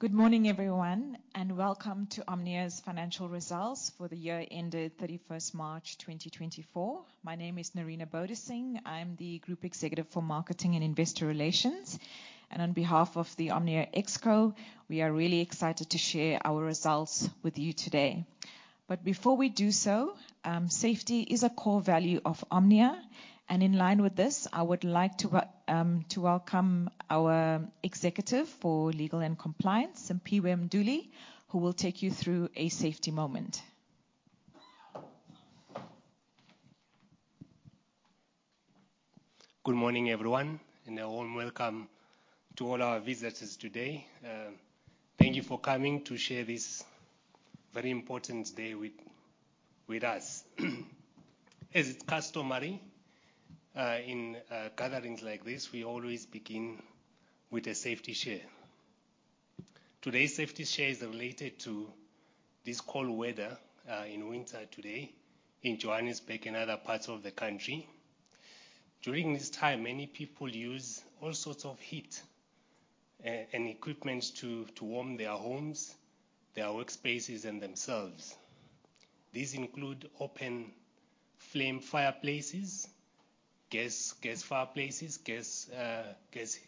Good morning everyone and welcome to Omnia's Financial Results for the year ended 31st March 2024. My name is Nerina Bodasing, I'm the group executive for marketing and Investor Relations and on behalf of the Omnia Exco, we are really excited to share our results with you today. Before we do so, safety is a core value of Omnia and in line with this I would like to welcome our executive for legal and compliance, Siphiwe Duli, who will take you through a safety moment. Good morning everyone and a warm welcome to all our visitors today. Thank you for coming to share this very important day with us. As it's customary in gatherings like this, we always begin with a safety share. Today's safety share is related to this cold weather in winter today in Johannesburg and other parts of the country. During this time, many people use all sorts of heat and equipment to warm their homes, their workspaces and themselves. These include open flame fireplaces, gas fireplaces, gas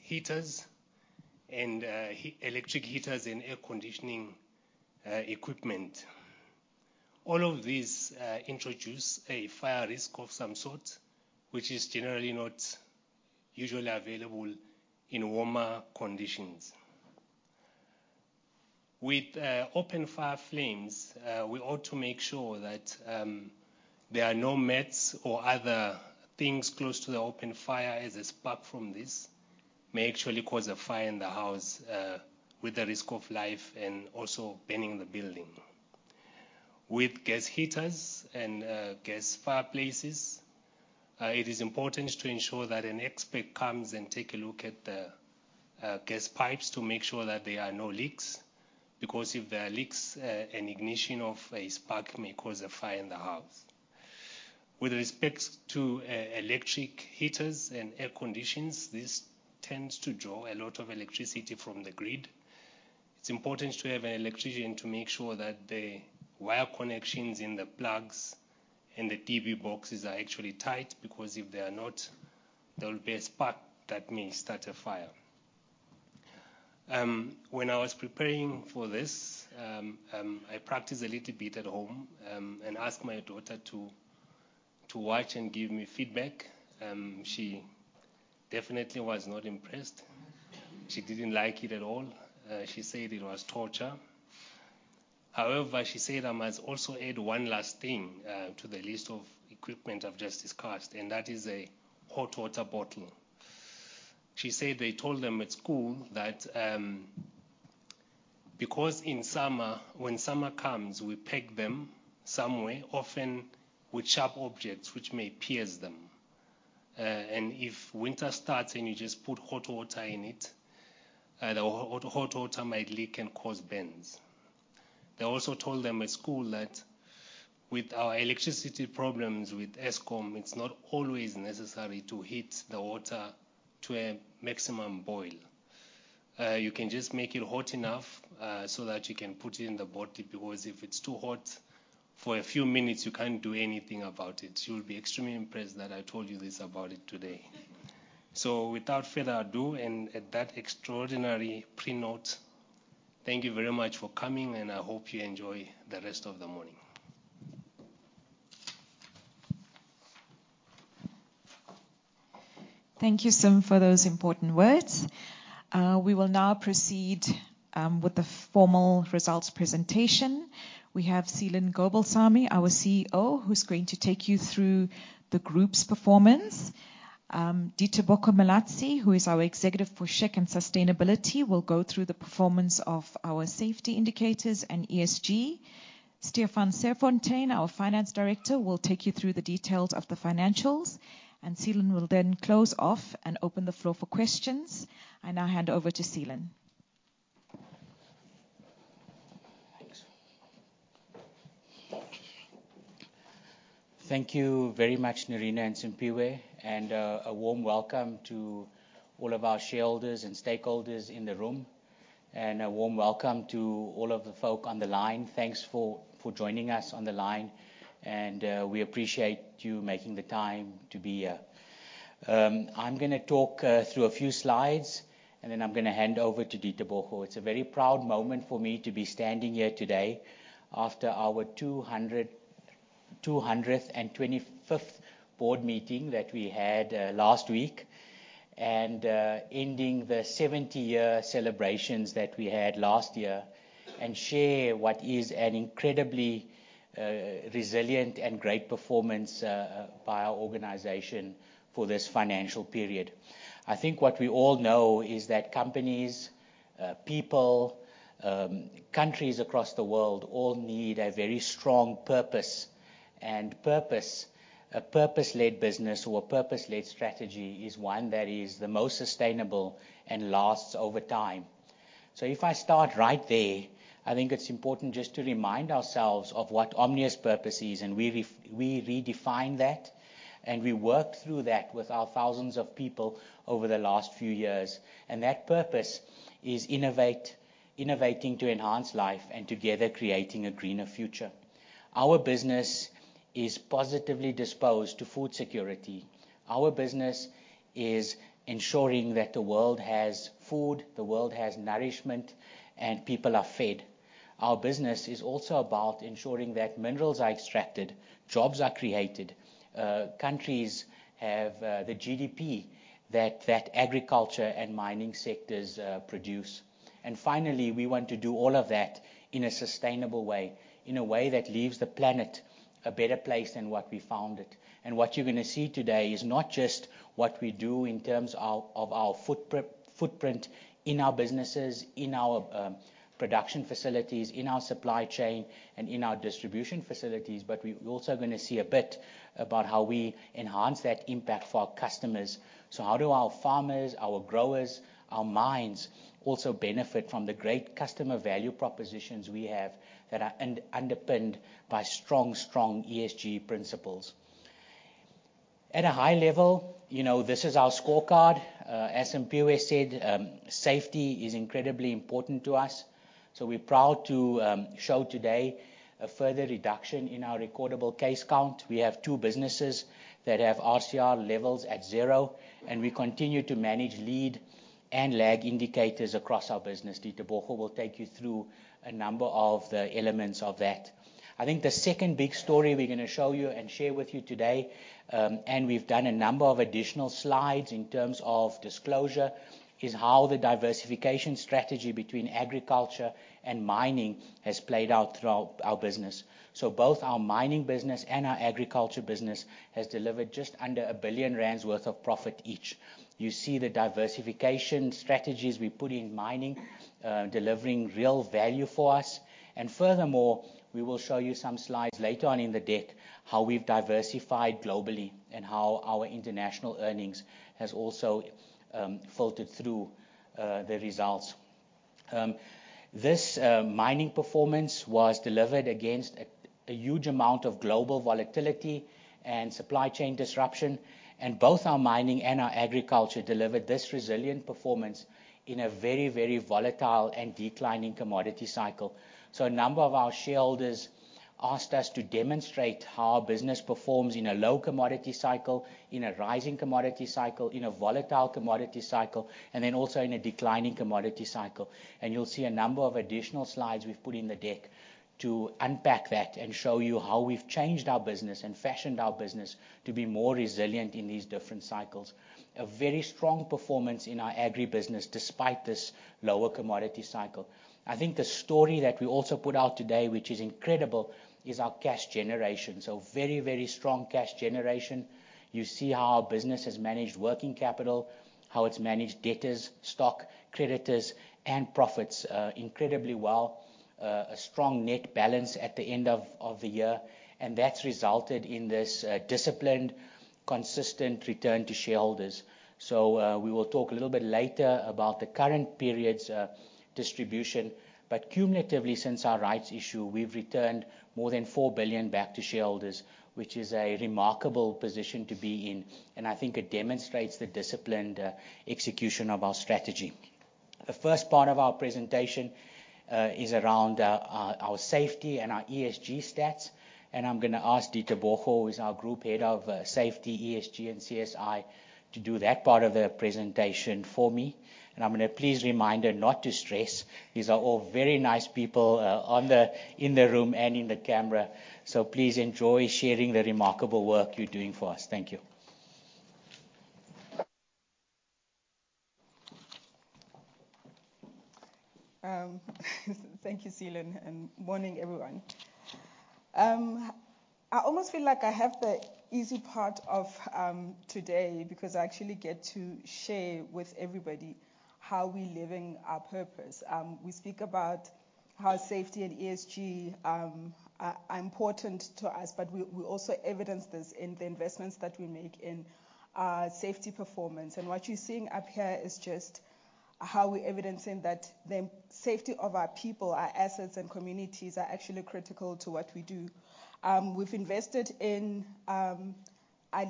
heaters and electric heaters and air conditioning equipment. All of these introduce a fire risk of some sort, which is generally not usually available in warmer conditions with open fire flames. We ought to make sure that there are no mats or other things close to the open fire as a spark from this may actually cause a fire in the house with the risk of life and also burning the building. With gas heaters and gas fireplaces, it is important to ensure that an expert comes and take a look at the gas pipes to make sure that there are no leaks because if there are leaks, an ignition of a spark may cause a fire in the house. With respect to electric heaters and air conditions, this tends to draw a lot of electricity from the grid. It's important to have an electrician to make sure that the wire connections in the plugs and the DB boxes are actually tight because if they are not, there will be a spark that may start a fire. When I was preparing for this, I practiced a little bit at home and asked my daughter to watch and give me feedback. She definitely was not impressed. She didn't like it at all. She said it was torture. However, she said I must also add one last thing to the list of equipment I've just discussed and that is a hot water bottle. She said they told them at school that because in summer, when summer comes, we peg them somewhere often with sharp objects which may pierce them and if winter starts and you just put hot water in it, the hot water might leak and cause burns. They also told them at school that with our electricity problems with Eskom, it's not always necessary to heat the water to a maximum boil. You can just make it hot enough so that you can put it in the bottle because if it's too hot for a few minutes, you can't do anything about it. You'll be extremely impressed that I told you this about it today. So, without further ado, and at that extraordinary note, thank you very much for coming and I hope you enjoy the rest of the morning. Thank you, Siphiwe, for those important words. We will now proceed with the formal results presentation. We have Seelan Gobalsamy, our CEO, who's going to take you through the group's performance. Ditebogo Malatsi, who is our executive for SHEQ and Sustainability, will go through the performance of our safety indicators and ESG. Stephan Serfontein, our finance director, will take you through the details of the financials and Seelan will then close off and open the floor for questions. I now hand over to Seelan. Thank you very much, Nerina and Siphiwe, and a warm welcome to all of our shareholders and staff stakeholders in the room and a warm welcome to all of the folk on the line. Thanks for joining us on the line and we appreciate you making the time to be here. I'm going to talk through a few slides and then I'm going to hand over to Ditebogo. It's a very proud moment for me to be standing here today after our 225th board meeting that we had last week and ending the 70-year celebrations that we had last year and share what is an incredibly resilient and great performance by our organization for this financial period. I think what we all know is that companies, people, countries across the world all need a very strong purpose and purpose. A purpose-led business or purpose-led strategy is one that is the most sustainable and lasts over time. So if I start right there, I think it's important just to remind ourselves of what Omnia's purpose is. And we redefined that and we worked through that with our thousands of people over the last few years. And that purpose is innovate, innovating to enhance life and together creating a greener future. Our business is positively disposed to food security. Our business is ensuring that the world has food, the world has nourishment and people are fed. Our business is also about ensuring that minerals are extracted, jobs are created, countries have the GDP that that agriculture and mining sectors produce. And finally we want to do all of that in a sustainable way, in a way that leaves the planet a better place than what we found it. What you're going to see today is not just what we do in terms of our footprint in our businesses, in our production facilities, in our supply chain and in our distribution facilities, but we're also going to see a bit about how we enhance that impact for our customers. So how do our farmers, our growers, our mines, also benefit from the great customer value propositions we have that are underpinned by strong, strong ESG principles at a high level? You know, this is our scorecard. Siphiwe said safety is incredibly important to us. So we're proud to show today a further reduction in our recordable case count. We have two businesses that have RCR levels at zero and we continue to manage lead and lag indicators across our business. Ditebogo will take you through a number of the elements of that. I think the second big story we're going to show you and share with you today, and we've done a number of additional slides in terms of disclosure, is how the diversification strategy between agriculture and mining has played out throughout our business. So both our mining business and our agriculture business has delivered just under 1 billion rand worth of profit each. You see the diversification strategies we put in mining delivering real value for us. And furthermore, we will show you some slides later on in the deck how we've diversified globally and how our international earnings has also filtered through the results. This mining performance was delivered against a huge amount of global volatility and supply chain disruption. And both our mining and our agriculture delivered this resilient performance in a very, very volatile and declining commodity cycle. A number of our shareholders asked us to demonstrate how business performs in a low commodity cycle, in a rising commodity cycle, in a volatile commodity cycle, and then also in a declining commodity cycle. You'll see a number of additional slides we've put in the deck to unpack that and show you how we've changed our business and fashioned our business to be more resilient in these different cycles. A very strong performance in our agribusiness despite this lower commodity cycle. I think the story that we also put out today, which is incredible, is our cash generation. Very, very strong cash generation. You see how our business has managed working capital, how it's managed debtors, stock, creditors and profits incredibly well. A strong net balance at the end of the year and that's resulted in this disciplined, consistent return to shareholders. So we will talk a little bit later about the current period's distribution, but cumulatively, since our rights issue, we've returned more than 4 billion back to shareholders, which is a remarkable position to be in. And I think it demonstrates the disciplined execution of our strategy. The first part of our presentation is around our safety and our ESG stats. And I'm going to ask Ditebogo, who is our group head of safety, ESG and CSI, to do that part of the presentation for me. And I'm going to please remind her not to stress these are all very nice people in the room and in the camera. So please enjoy sharing the remarkable work you're doing for us. Thank you. Thank you, Seelan, and morning, everyone. I almost feel like I have the easy part of today because I actually get to share with everybody how we living our purpose. We speak about how safety and ESG are important to us, but we also evidence this in the investments that we make in safety performance. And what you're seeing up here is just how we're evidencing that the safety of our people, our assets and communities are actually critical to what we do. We've invested in our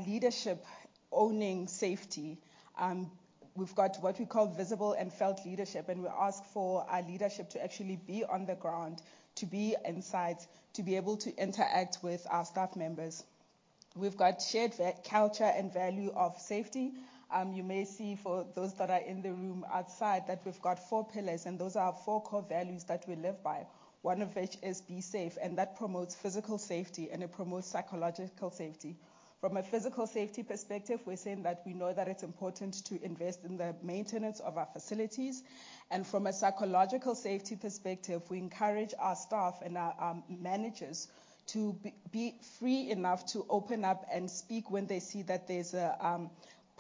leadership, owning safety. We've got what we call visible and felt leadership. And we ask for our leadership to actually be on the ground, to be inside, to be able to interact with our staff members. We've got shared culture and value of safety. You may see for those that are in the room outside that we've got four pillars and those are four core values that we live by, one of which is be safe. That promotes physical safety and it promotes psychological safety. From a physical safety perspective, we're saying that we know that it's important to invest in the maintenance of our facilities. From a psychological safety perspective, we encourage our staff and our managers to be free enough to open up and speak when they see that there's a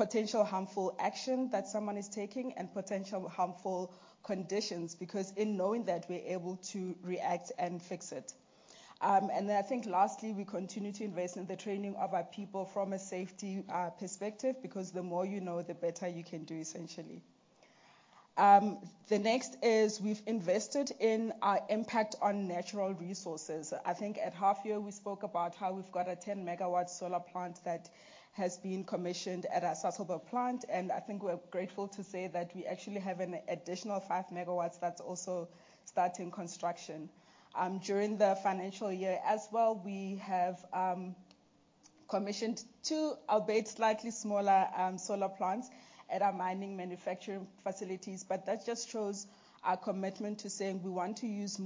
potential harmful action that someone is taking and potential harmful conditions, because in knowing that, we're able to react and fix it. I think lastly, we continue to invest in the training of our people from a safety perspective because. Because the more you know, the better you can do. Essentially, the next is we've invested in our impact on natural resources. I think at half year we spoke about how we've got a 10 MW solar plant that has been commissioned at our Sasolburg plant. And I think we're grateful to say that we actually have an additional 5 MW that's also starting construction during the financial year as well. We have commissioned two, albeit slightly smaller solar plants at our mining and manufacturing facilities. But that just shows our commitment to saying we want to use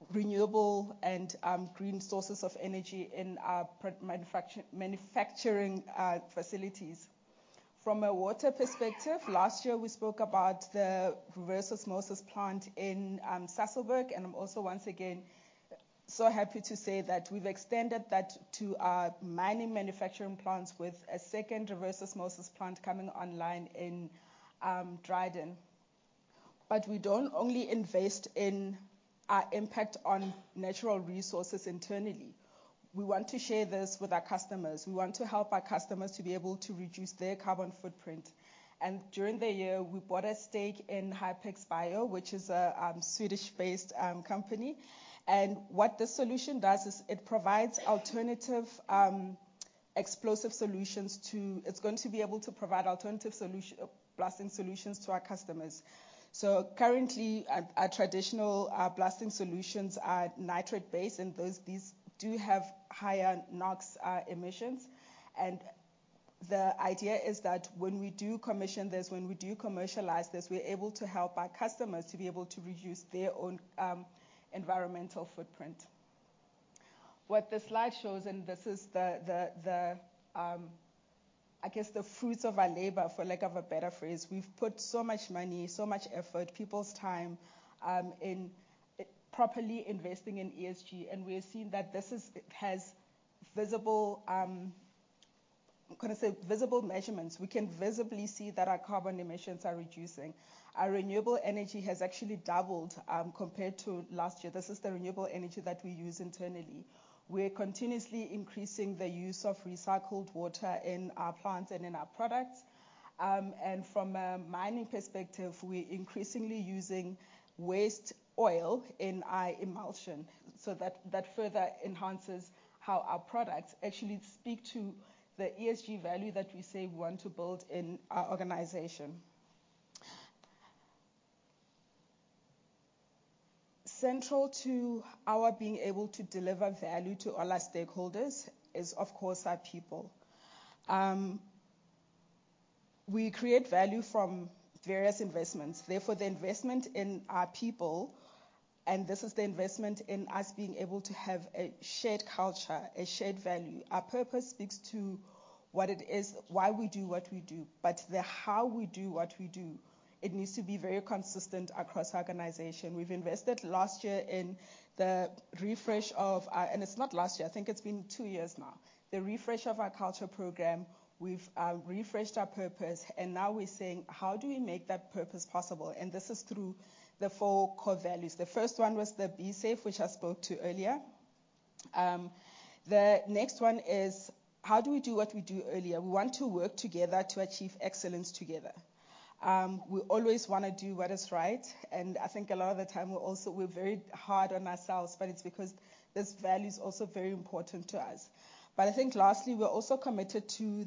more renewable and green sources of energy in our manufacturing facilities. From a water perspective, last year we spoke about the reverse osmosis plant in Sasolburg and I'm also once again so happy to say that we've extended that to our mining and manufacturing plants with a second reverse osmosis plant coming online in Dryden. But we don't only invest in our impact on natural resources internally; we want to share this with our customers. We want to help our customers to be able to reduce their carbon footprint. And during the year we bought a stake in Hypex Bio, which is a Swedish-based company. And what this solution does is it provides alternative explosive solutions. It's going to be able to provide alternative blasting solutions to our customers. So currently traditional blasting solutions are nitrate based and those do have higher NOx emissions. And the idea is that when we do commission this, when we do commercialize this, we're able to help our customers to be able to reduce their own environmental footprint. What this slide shows is this, I guess, the fruits of our labor, for lack of a better phrase. We've put so much money, so much effort, people's time in properly investing in ESG and we're seeing that this has visible, I'm going to say visible measurements. We can visibly see that our carbon emissions are reducing. Our renewable energy has actually doubled compared to last year. This is the renewable energy that we use internally. We're continuously increasing the use of recycled water in our plants and in our products. And from a mining perspective, we're increasingly using waste oil in emulsion. So that further enhances how our products actually speak to the ESG value that we say we want to build in our organization. Central to our being able to deliver value to all our stakeholders is of course our people. We create value from various investments. Therefore, the investment in our people and this is the investment in us being able to have a shared culture, a shared value. Our purpose speaks to, to what it is, why we do what we do, but the how we do what we do it needs to be very consistent across organization. We've invested last year in the refresh of and it's not last year, I think it's been two years now. The refresh of our culture program. We've refreshed our purpose and now we're saying how do we make that purpose possible? And this is through the four core values. The first one was the Be Safe which I spoke to earlier. The next one is how do we do what we do earlier. We want to work together to achieve excellence together. We always want to do what is right. I think a lot of the time we're also very hard on ourselves but it's because this value is also very important to us. But I think lastly we're also committed to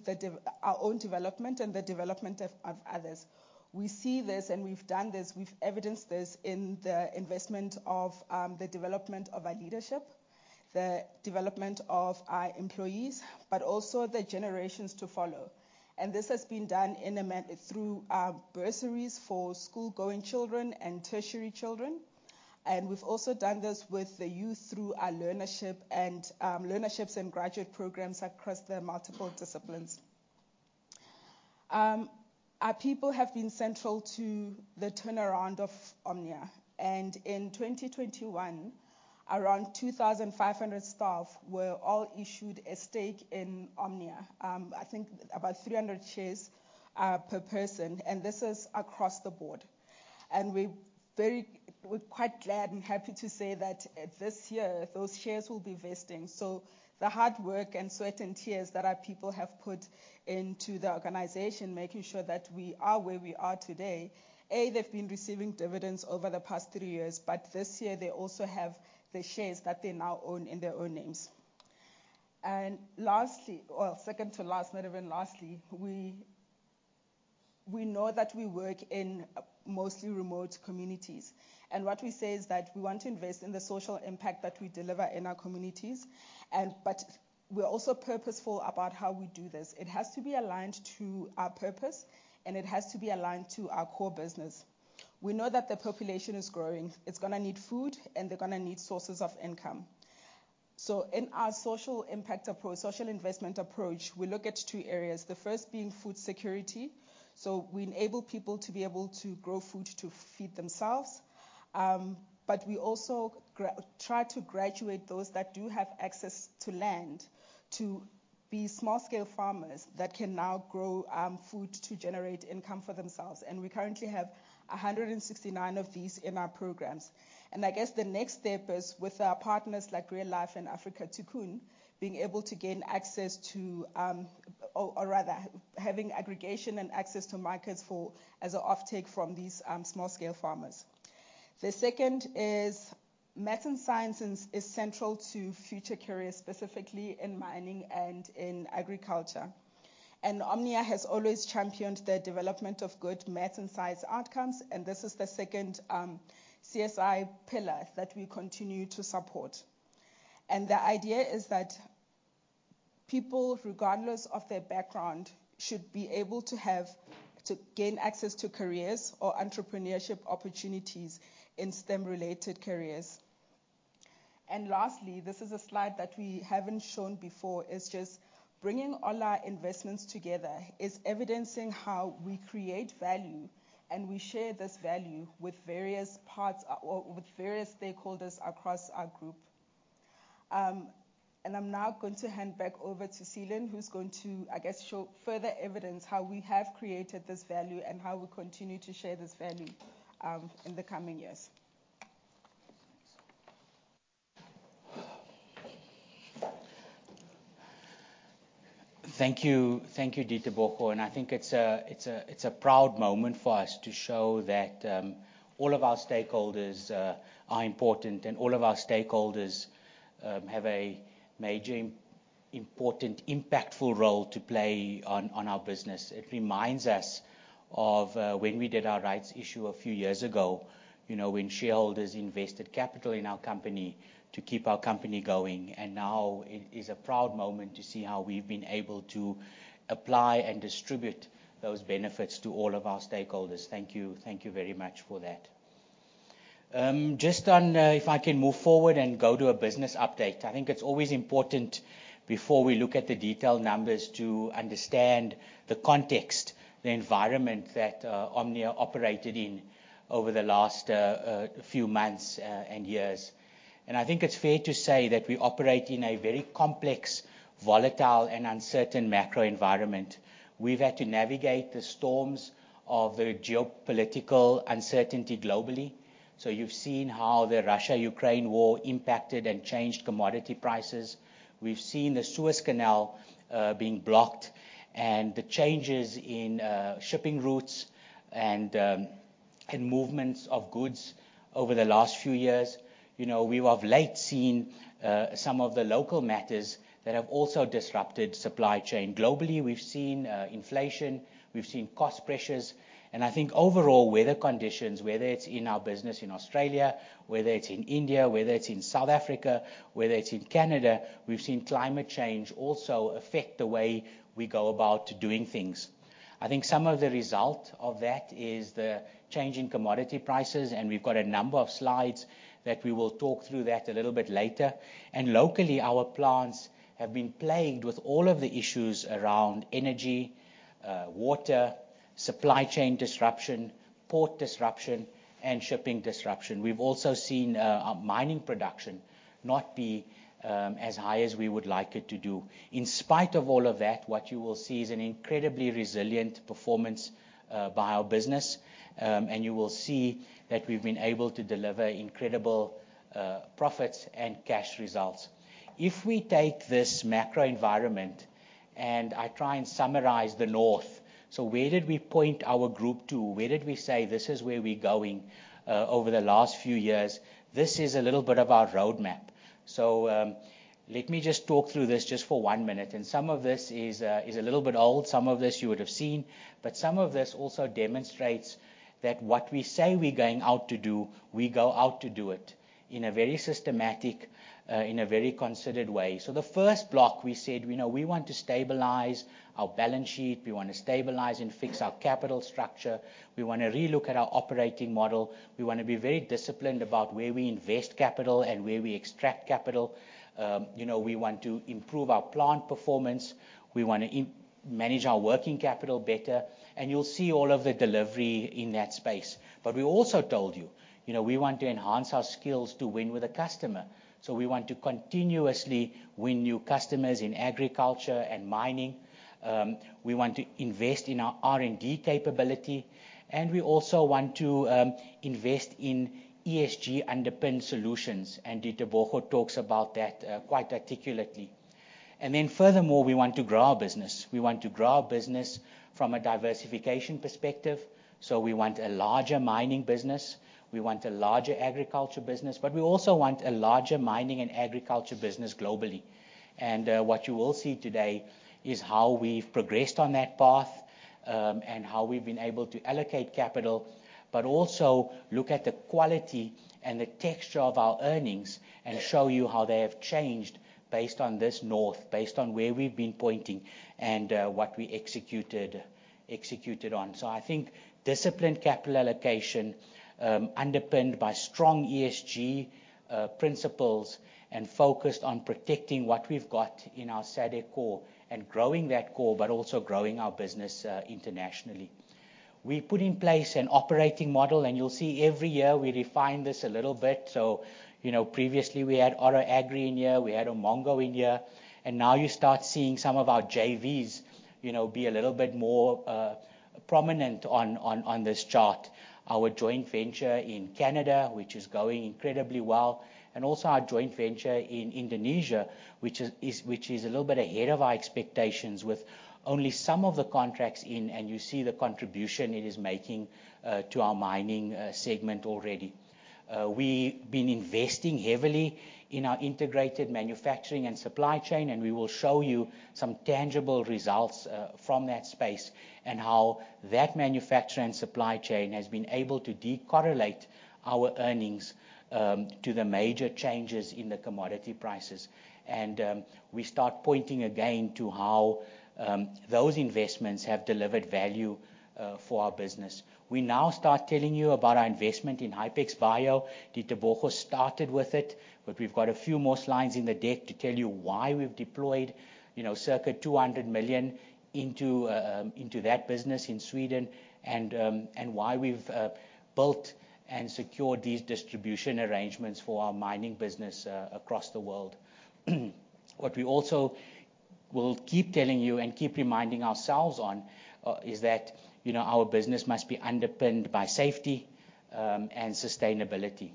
our own development and the development of others. We see this and we've done this, we've evidenced this in the investment of the development of our leadership, the development of our employees, but also the generations to follow. This has been done through bursaries for school going children and tertiary children and we've also done this with the youth through our learnership and learnerships and graduate programs across the multiple disciplines. Our people have been central to the turnaround of Omnia and in 2021 around 2,500 staff were all issued a stake in Omnia. I think about 300 shares per person. This is across the board. We're quite glad and happy to say that this year those shares will be vesting. So the hard work and sweat and tears that our people have put into the organization making sure that we are where we are today. And they've been receiving dividends over the past three years, but this year they also have the shares that they now own in their own names. And lastly, well, second to last, not even lastly. We know that we work in mostly remote communities and what we say is that we want to invest in the social impact that we deliver in our communities. But we're also purposeful about how we do this. It has to be aligned to our purpose and it has to be aligned to our core business. We know that the population is growing, it's going to need food and they're going to need sources of income. So in our social impact approach, social investment approach, we look at two areas, the first being food security. So we enable people to be able to grow food to feed themselves but we also try to graduate those that do have access to land to be small scale farmers that can now grow food to generate income for themselves. And we currently have 169 of these in our programs. And I guess the next step is with our partners like Real Life and Afrika Tikkun being able to gain access to or rather having aggregation and access to markets for as an offtake from these small scale farmers. The second is math and science is central to future careers, specifically in mining and in agriculture. Omnia has always championed the development of good medicine science outcomes. This is the second CSI pillar that we continue to support. The idea is that people, regardless of their background, should be able to have to gain access to careers or entrepreneurship opportunities in STEM related careers. Lastly, this is a slide that we haven't shown before, is just bringing all our investments together, is evidencing how we create value and we share this value with various parts with various stakeholders across our group. I'm now going to hand back over to Seelan who's going to, I guess, show further evidence how we have created this value and how we continue to share this value in the coming years. Thank you. Thank you, Ditebogo. I think it's a proud moment for us to show that all of our stakeholders are important and all of our stakeholders have a major, important, impactful role to play on our business. It reminds us of when we did our rights issue a few years ago, you know, when shareholders invested capital in our company to keep our company going. And now it is a proud moment to see how we've been able to apply and distribute those benefits to all of our stakeholders. Thank you, thank you, thank you very much for that. Just on if I can move forward and go to a business update. I think it's always important before we look at the detailed numbers to understand the context, the environment that Omnia operated in over the last few months and years. I think it's fair to say that we operate in a very complex, volatile and uncertain macro environment. We've had to navigate the storms of the geopolitical uncertainty globally. So you've seen how the Russia-Ukraine war impacted and changed commodity prices. We've seen the Suez Canal being blocked and the changes in shipping routes and movements of goods over the last few years. You know, we have lately seen some of the local matters that have also disrupted supply chain globally. We've seen inflation, we've seen cost pressures, and I think overall weather conditions. Whether it's in our business in Australia, whether it's in India, whether it's in South Africa, whether it's in Canada. We've seen climate change also affect the way we go about doing things. I think some of the result of that is the change in commodity prices. We've got a number of slides that we will talk through that a little bit later. Locally our plants have been plagued with all of the issues around energy, water supply chain disruption, port disruption and shipping disruption. We've also seen mining production not be as high as we would like it to do. In spite of all of that, what you will see is an incredibly resilient performance by our business. You will see that we've been able to deliver incredible profits and cash results if we take this macro environment. I try and summarize the north. So where did we point our group to? Where did we say this is where we're going over the last few years? This is a little bit of our roadmap. Let me just talk through this just for one minute. Some of this is a little bit old, some of this you would have seen, but some of this also demonstrates that what we say we're going out to do, we go out to do it in a very systematic, in a very considered way. So the first block we said, we want to stabilize our balance sheet. We want to stabilize and fix our capital structure. We want to relook at our operating model. We want to be very disciplined about where we invest capital and where we extract capital. We want to improve our plant performance. We want to manage our working capital better and you'll see all of the delivery in that space. But we also told you, you know, we want to enhance our skills to win with a customer. So we want to continuously win new customers in agriculture and mining. We want to invest in our R&D capability and we also want to invest in ESG underpinned solutions, and Ditebogo Malatsi talks about that quite articulately. And then furthermore, we want to grow our business. We want to grow our business from a diversification perspective. So we want a larger mining business, we want a larger agriculture business, but we also want a larger mining and agriculture business globally. And what you will see today is how we've progressed on that path and how we've been able to allocate capital. But also look at the quality and the texture of our earnings and show you how they have changed based on this north, based on where we've been pointing and what we executed on. So I think disciplined capital allocation underpinned by strong ESG principles and focused on protecting what we've got in our SADC core and growing that core, but also growing our business internationally. We put in place an operating model and you'll see every year we refine this a little bit. So, you know, previously we had Oro Agri in here, we had an Umongo in here. And now you start seeing some of our JVs, you know, be a little bit more prominent on this chart. Our joint venture in Canada, which is going incredibly well, and also our joint venture in Indonesia, which is, which is a little bit ahead of our expectations with only some of the contracts in. And you see the contribution it is making to our mining segment. Already we been investing heavily in our integrated manufacturing and supply chain and we will show you some tangible results from that space and how that manufacturing and supply chain has been able to decouple our earnings to the major changes in the commodity prices. We start pointing again to how those investments have delivered value for our business. We now start telling you about our investment in Hypex Bio. Ditebogo started with it. But we've got a few more slides in the deck to tell you why we've deployed circa 200 million into that business in Sweden and why we've built and secured these distribution arrangements for our mining business across the world. What we also will keep telling you and keep reminding ourselves on is that you know, our business must be underpinned by safety and sustainability.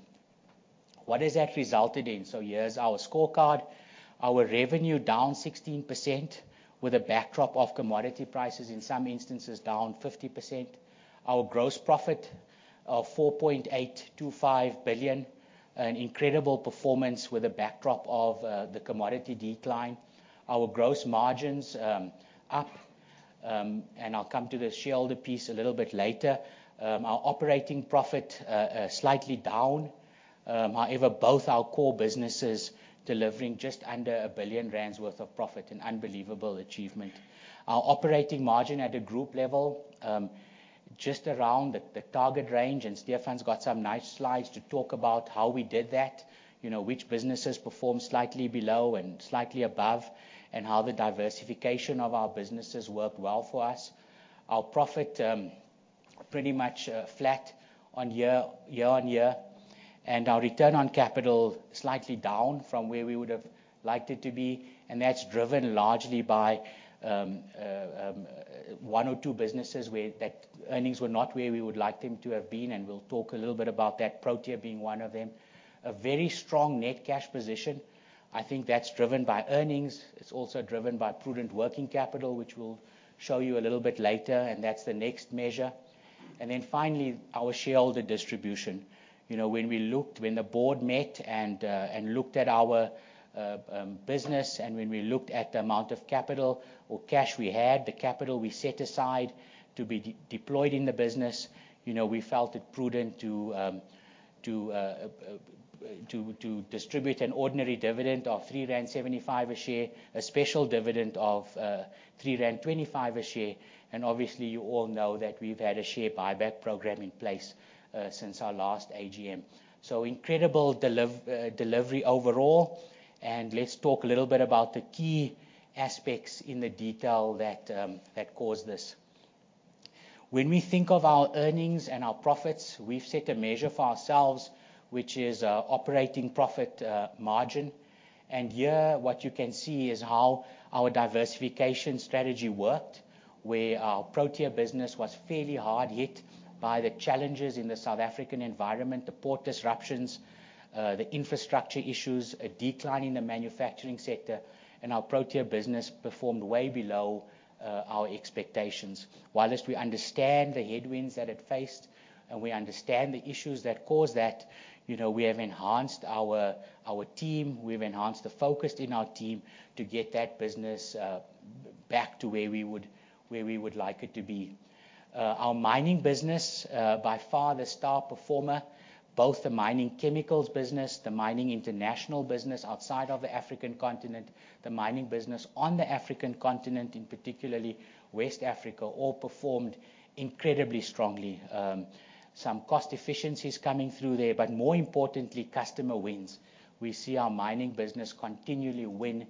What has that resulted in? So here's our scorecard. Our revenue down 16% with a backdrop of commodity prices in some instances down 50%. Our gross profit of 4.8 billion. An incredible performance with a backdrop of the commodity decline. Our gross margins up and I'll come to the shareholder piece a little bit later. Our operating profit slightly down. However, both our core businesses delivering just under 1 billion rand worth of profit. An unbelievable achievement. Our operating margin at a group level just around the target range and Stephan's got some nice slides to talk about how we did that, you know, which businesses performed slightly below and slightly above and how the diversification of our businesses worked well for us. Our profit pretty much flat year-on-year and our return on capital slightly down from where we would have liked it to be. That's driven largely by one or two businesses where that earnings were not where we would like them to have been. We'll talk a little bit about that, Protea being one of them. A very strong net cash position. I think that's driven by earnings. It's also driven by prudent working capital which we'll show you a little bit later. That's the next measure. Then finally our shareholder distribution. You know, when we looked, when the board met and looked at our business and when we looked at the amount of capital or cash we had, the capital we set aside to be deployed in the business, you know, we felt it prudent to distribute an ordinary dividend of 3.75 rand a share, a special dividend of 3.25 rand a share. Obviously you all know that we've had a share buyback program in place since our last AGM. So incredible delivery overall. And let's talk a little bit about the key aspects in the detail that caused this. When we think of our earnings and our profits, we've set a measure for ourselves which is operating profit margin. And here what you can see is how our diversification strategy worked. Where our Protea business was fairly hard hit by the challenges in the South African environment, the port disruptions, the infrastructure issues, a decline in the manufacturing sector and our Protea business performed way below our expectations. While we understand the headwinds that it faced and we understand the issues that cause that, you know, we have enhanced our team, we've enhanced the focus in our team to get that business back to where we would, where we would like it to be. Our mining business, by far the star performer. Both the Mining Chemicals business, the Mining International business outside of the African continent, the mining business on the African continent, in particularly West Africa, all performed incredibly strongly. Some cost efficiencies coming through there, but more importantly, customer wins. We see our mining business continue continually win.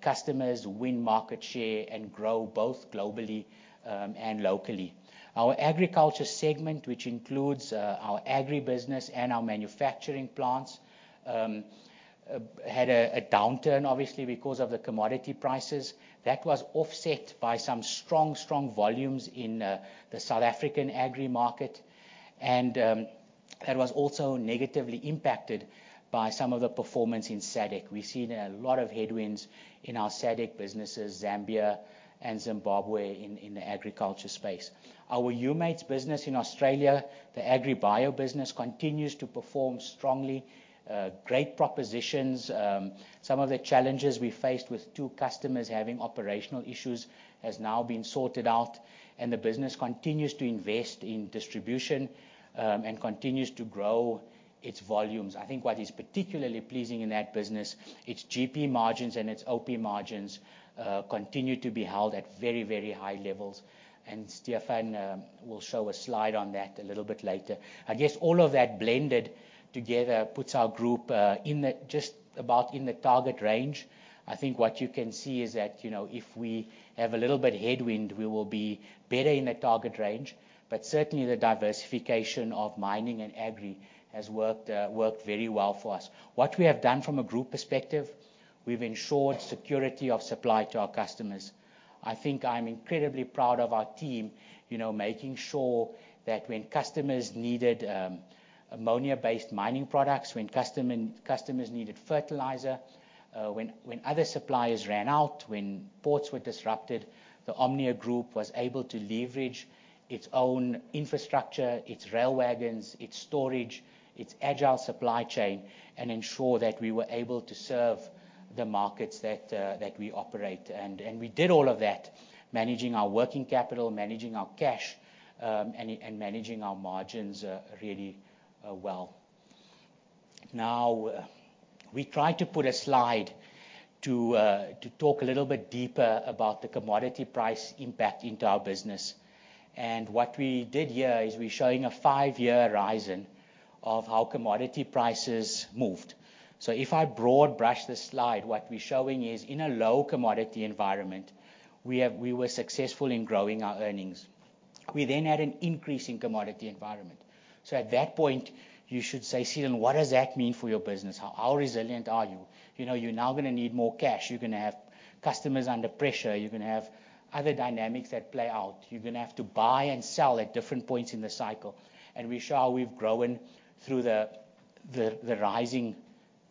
Customers win market share and grow both globally and locally. Our agriculture segment, which includes our agribusiness and our manufacturing plants had a downturn obviously because of the commodity prices. That was offset by some strong, strong volumes in the South African agri market and that was also negatively impacted by some of the performance in SADC. We've seen a lot of headwinds in our SADC businesses, Zambia and Zimbabwe. In the agriculture space, our Humates business in Australia, the AgriBio business continues to perform strongly. Great propositions. Some of the challenges we faced with two customers having operational issues has now been sorted out and the business continues to invest in distribution and continues to grow its volumes. I think what is particularly pleasing in that business, its GP margins and its OP margins continue to be held at very, very high levels and Stephan will show a slide on that a little bit later. I guess all of that blended together puts our group just about in the target range. I think what you can see is that if we have a little bit headwind we will be better in the target range. But certainly the diversification of mining and agri has worked, worked very well for us. What we have done from a group perspective, we've ensured security of supply to our customers. I think I'm incredibly proud of our team, you know, making sure that when customers needed ammonia based mining products, when customers needed fertilizer, when other suppliers ran out, when ports were disrupted, the Omnia Group was able to leverage its own infrastructure, its rail wagons, its storage, its agile supply chain and ensure that we were able to serve the markets that we operate and we did all of that managing our working capital, managing our cash and managing our margins really well. Now we tried to put a slide to talk a little bit deeper about the commodity price impact into our business. What we did here is we're showing a five year horizon of how commodity prices moved. So if I broad brush this slide, what we're showing is in a low commodity environment, we were successful in growing our earnings, we then had an increasing commodity environment. So at that point you should say, what does that mean for your business? How resilient are you? You know, you're now going to need more cash, you're going to have customers under pressure, you're going to have other dynamics that play out. You're going to have to buy and sell at different points in the cycle. And we show how we've grown through the rising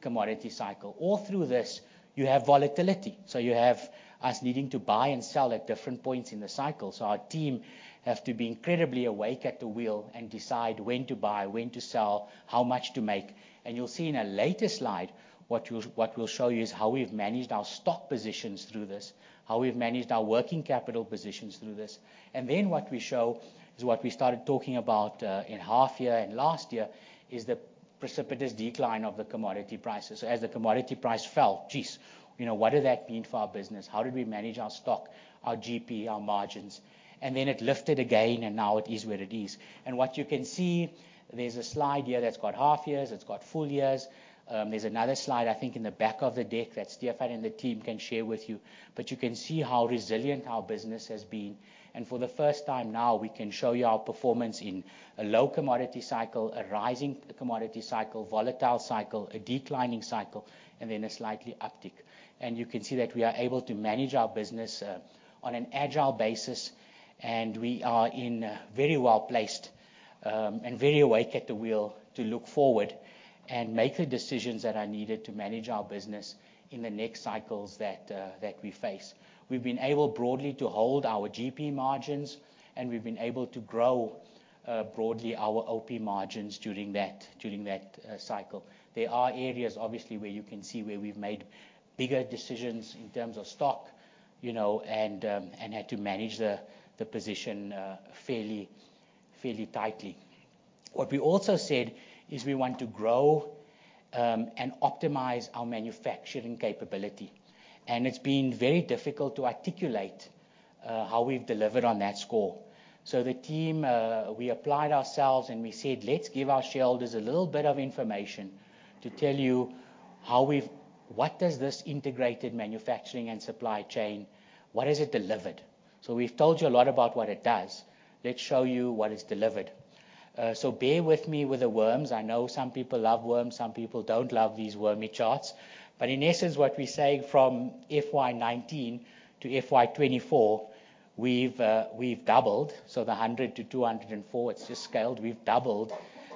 commodity cycle. All through this you have volatility, so you have us needing to buy and sell at different points in the cycle. So our team have to be incredibly awake at the wheel and decide when to buy, when to sell, how much to make. And you'll see in a later slide, what we'll show you is how we've managed our stock positions through this, how we've managed our working capital positions through this. And then what we show is what we started talking about in half year and last year is the precipitous decline of the commodity prices. So as the commodity price fell, geez, you know, what does that mean for our business? How did we manage our stock, our GP, our margins? And then it lifted again and now it is where it is. What you can see, there's a slide here that's got half years, it's got full years. There's another slide, I think in the back of the deck that Stephan and the team can share with you. But you can see how resilient our business has been. For the first time now we can show you our performance in a low commodity cycle, a rising commodity cycle, volatile cycle again, declining cycle and then a slightly uptick. You can see that we are able to manage our business on an agile basis. We are in very well placed and very awake at the wheel to look forward and make the decisions that are needed to manage our business in the next cycles that we face. We've been able broadly to hold our GP margins and we've been able to grow broadly our OP margins during that, during that cycle. There are areas obviously where you can see where we've made bigger decisions in terms of stock, you know, and had to manage the position fairly tightly. What we also said is we want to grow and optimize our manufacturing capability and it's been very difficult to articulate how we've delivered on that score. So the team, we applied ourselves and we said, let's give our shareholders a little bit of information to tell you what does this integrated manufacturing and supply chain, what has it delivered? So we've told you a lot about what it does. Let's show you what is delivered. So bear with me with the worms. I know some people love worms, some people don't love these wormy charts, but in essence, what we say from FY 2019 to FY 2024, we've doubled. So the 100-204. It's just scaled. We've doubled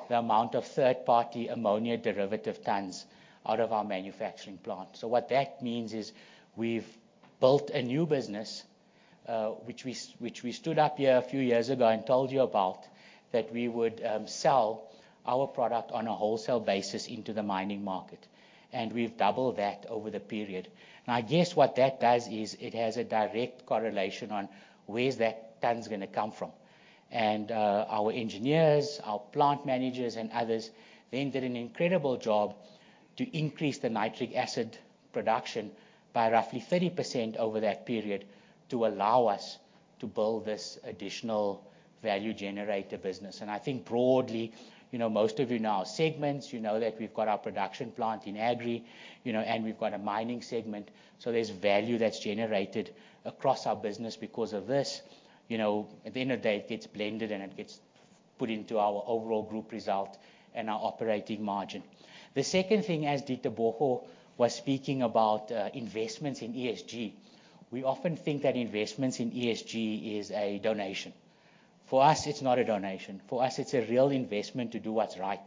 the amount of third party ammonia derivative tonnes out of our manufacturing plant. So what that means is we've built a new business which we stood up here a few years ago and told you about, that we would sell our product on a wholesale basis into the mining market and we've doubled that over the period. Now, I guess what that does is it has a direct correlation on where is that tonnes going to come from. And our engineers, our plant managers and others then did an incredible job to increase the nitric acid production by roughly 30% over that period to allow us to build this additional value generator business. And I think broadly, you know, most of, you know, segments, you know that we've got our production plant in agri and we've got a mining segment. So there's value that's generated across our business because of this, you know, at the end of day it gets blended and it gets put into our overall group result and our operating margin. The second thing, as Ditebogo was speaking about investments in ESG, we often think that investments in ESG is a donation for us. It's not a donation for us, it's a real investment to do what's right,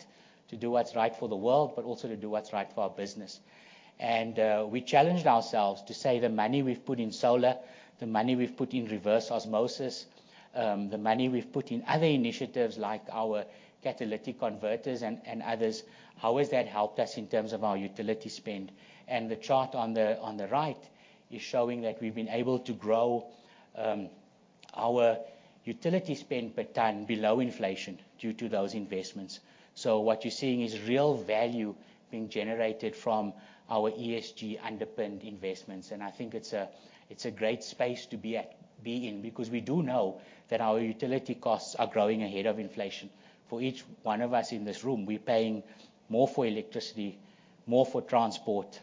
to do what's right for the world, but also to do what's right for our business. And we challenged ourselves to say the money we've put in solar, the money we've put in reverse osmosis, the money we've put in other initiatives like our catalytic converters and others. How has that helped us in terms of our utility spend? And the chart on the right is, is showing that we've been able to grow our utility spend per tonne below inflation due to those investments. So what you're seeing is real value being generated from our ESG underpinned investments. And I think it's a great space to be in because we do know that our utility costs are growing ahead of inflation for each one of us in this room. We're paying more for electricity, more for transport,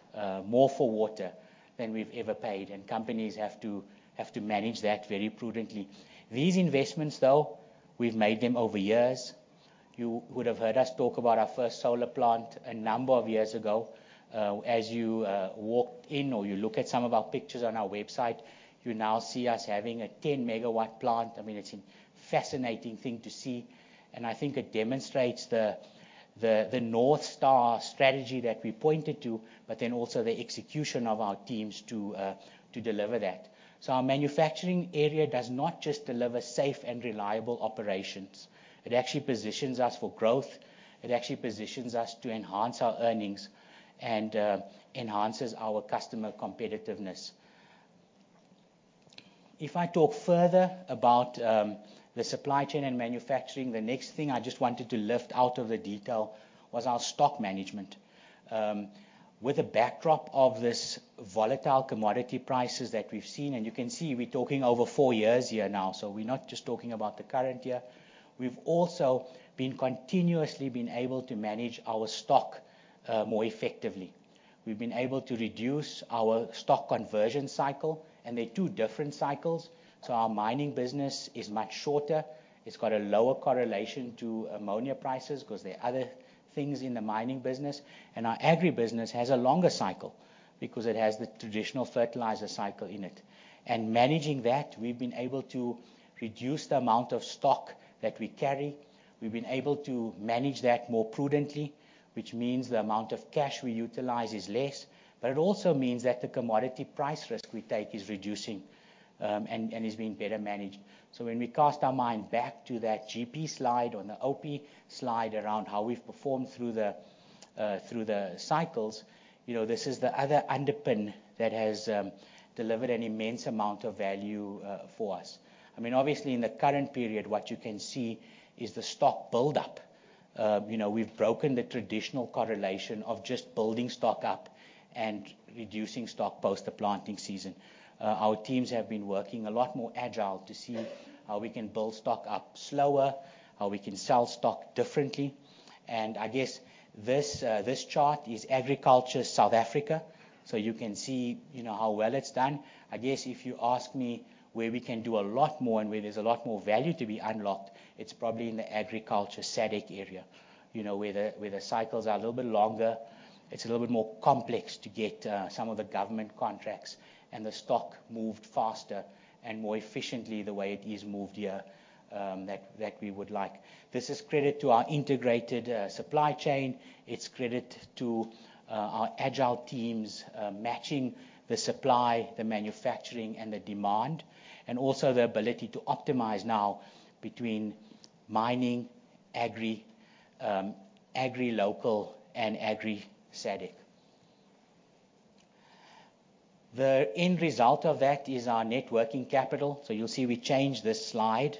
more for water than we've ever paid. And companies have to manage that very prudently. These investments, though, we've made them over years. You would have heard us talk about our first solar plant a number of years ago as you walked in, or you look at some of our pictures on our website. You now see us having a 10 MW plant. I mean, it's a fascinating thing to see and I think it demonstrates the North Star strategy that we pointed to, but then also the execution of our teams to deliver that. So our manufacturing area does not just deliver safe and reliable operations. It actually positions us for growth, it actually positions us to enhance our earnings and enhances our customer competitiveness. If I talk further about the supply chain and manufacturing, the next thing I just wanted to lift out of the detail was our stock management. With a backdrop of this volatile commodity prices that we've seen. And you can see we're talking over four years here now. So we're not just talking about the current year. We've also been continuously being able to manage our stock more effectively. We've been able to reduce our stock conversion cycle, and there are two different cycles. So our mining business is much shorter. It's got a lower correlation to ammonia prices because there are other things in the mining business. And our agribusiness has a longer cycle because it has the traditional fertilizer cycle in it. And managing that, we've been able to reduce the amount of stock that we carry. We've been able to manage that more prudently, which means the amount of cash we utilize is less. But it also means that the commodity price risk we take is reducing and is being better managed. So when we cast our mind back to that GP slide on the OP slide around how we've performed through the cycles, you know, this is the other underpin that has delivered an immense amount of value for us. I mean, obviously in the current period, what you can see is the stock buildup. You know, we've broken the traditional correlation of just building stock up and reducing stock. Post the planting season, our teams have been working a lot more agile to see how we can build stock up slower, how we can sell stock differently. I guess this chart is agriculture, South Africa. You can see how well it's done. I guess if you ask me where we can do a lot more and where there's a lot more value to be unlocked, it's probably in the agriculture sector, SADC area, you know, where the cycles are a little bit longer, it's a little bit more complex to get some of the government contracts and the stock moved faster and more efficiently the way it is moved here that we would like. This is credit to our integrated supply chain. It's credit to our agile teams matching the supply, the manufacturing and the demand and also the ability to optimize. Now between mining agri local and Agri SADC, the end result of that is our net working capital. So you'll see we changed this slide.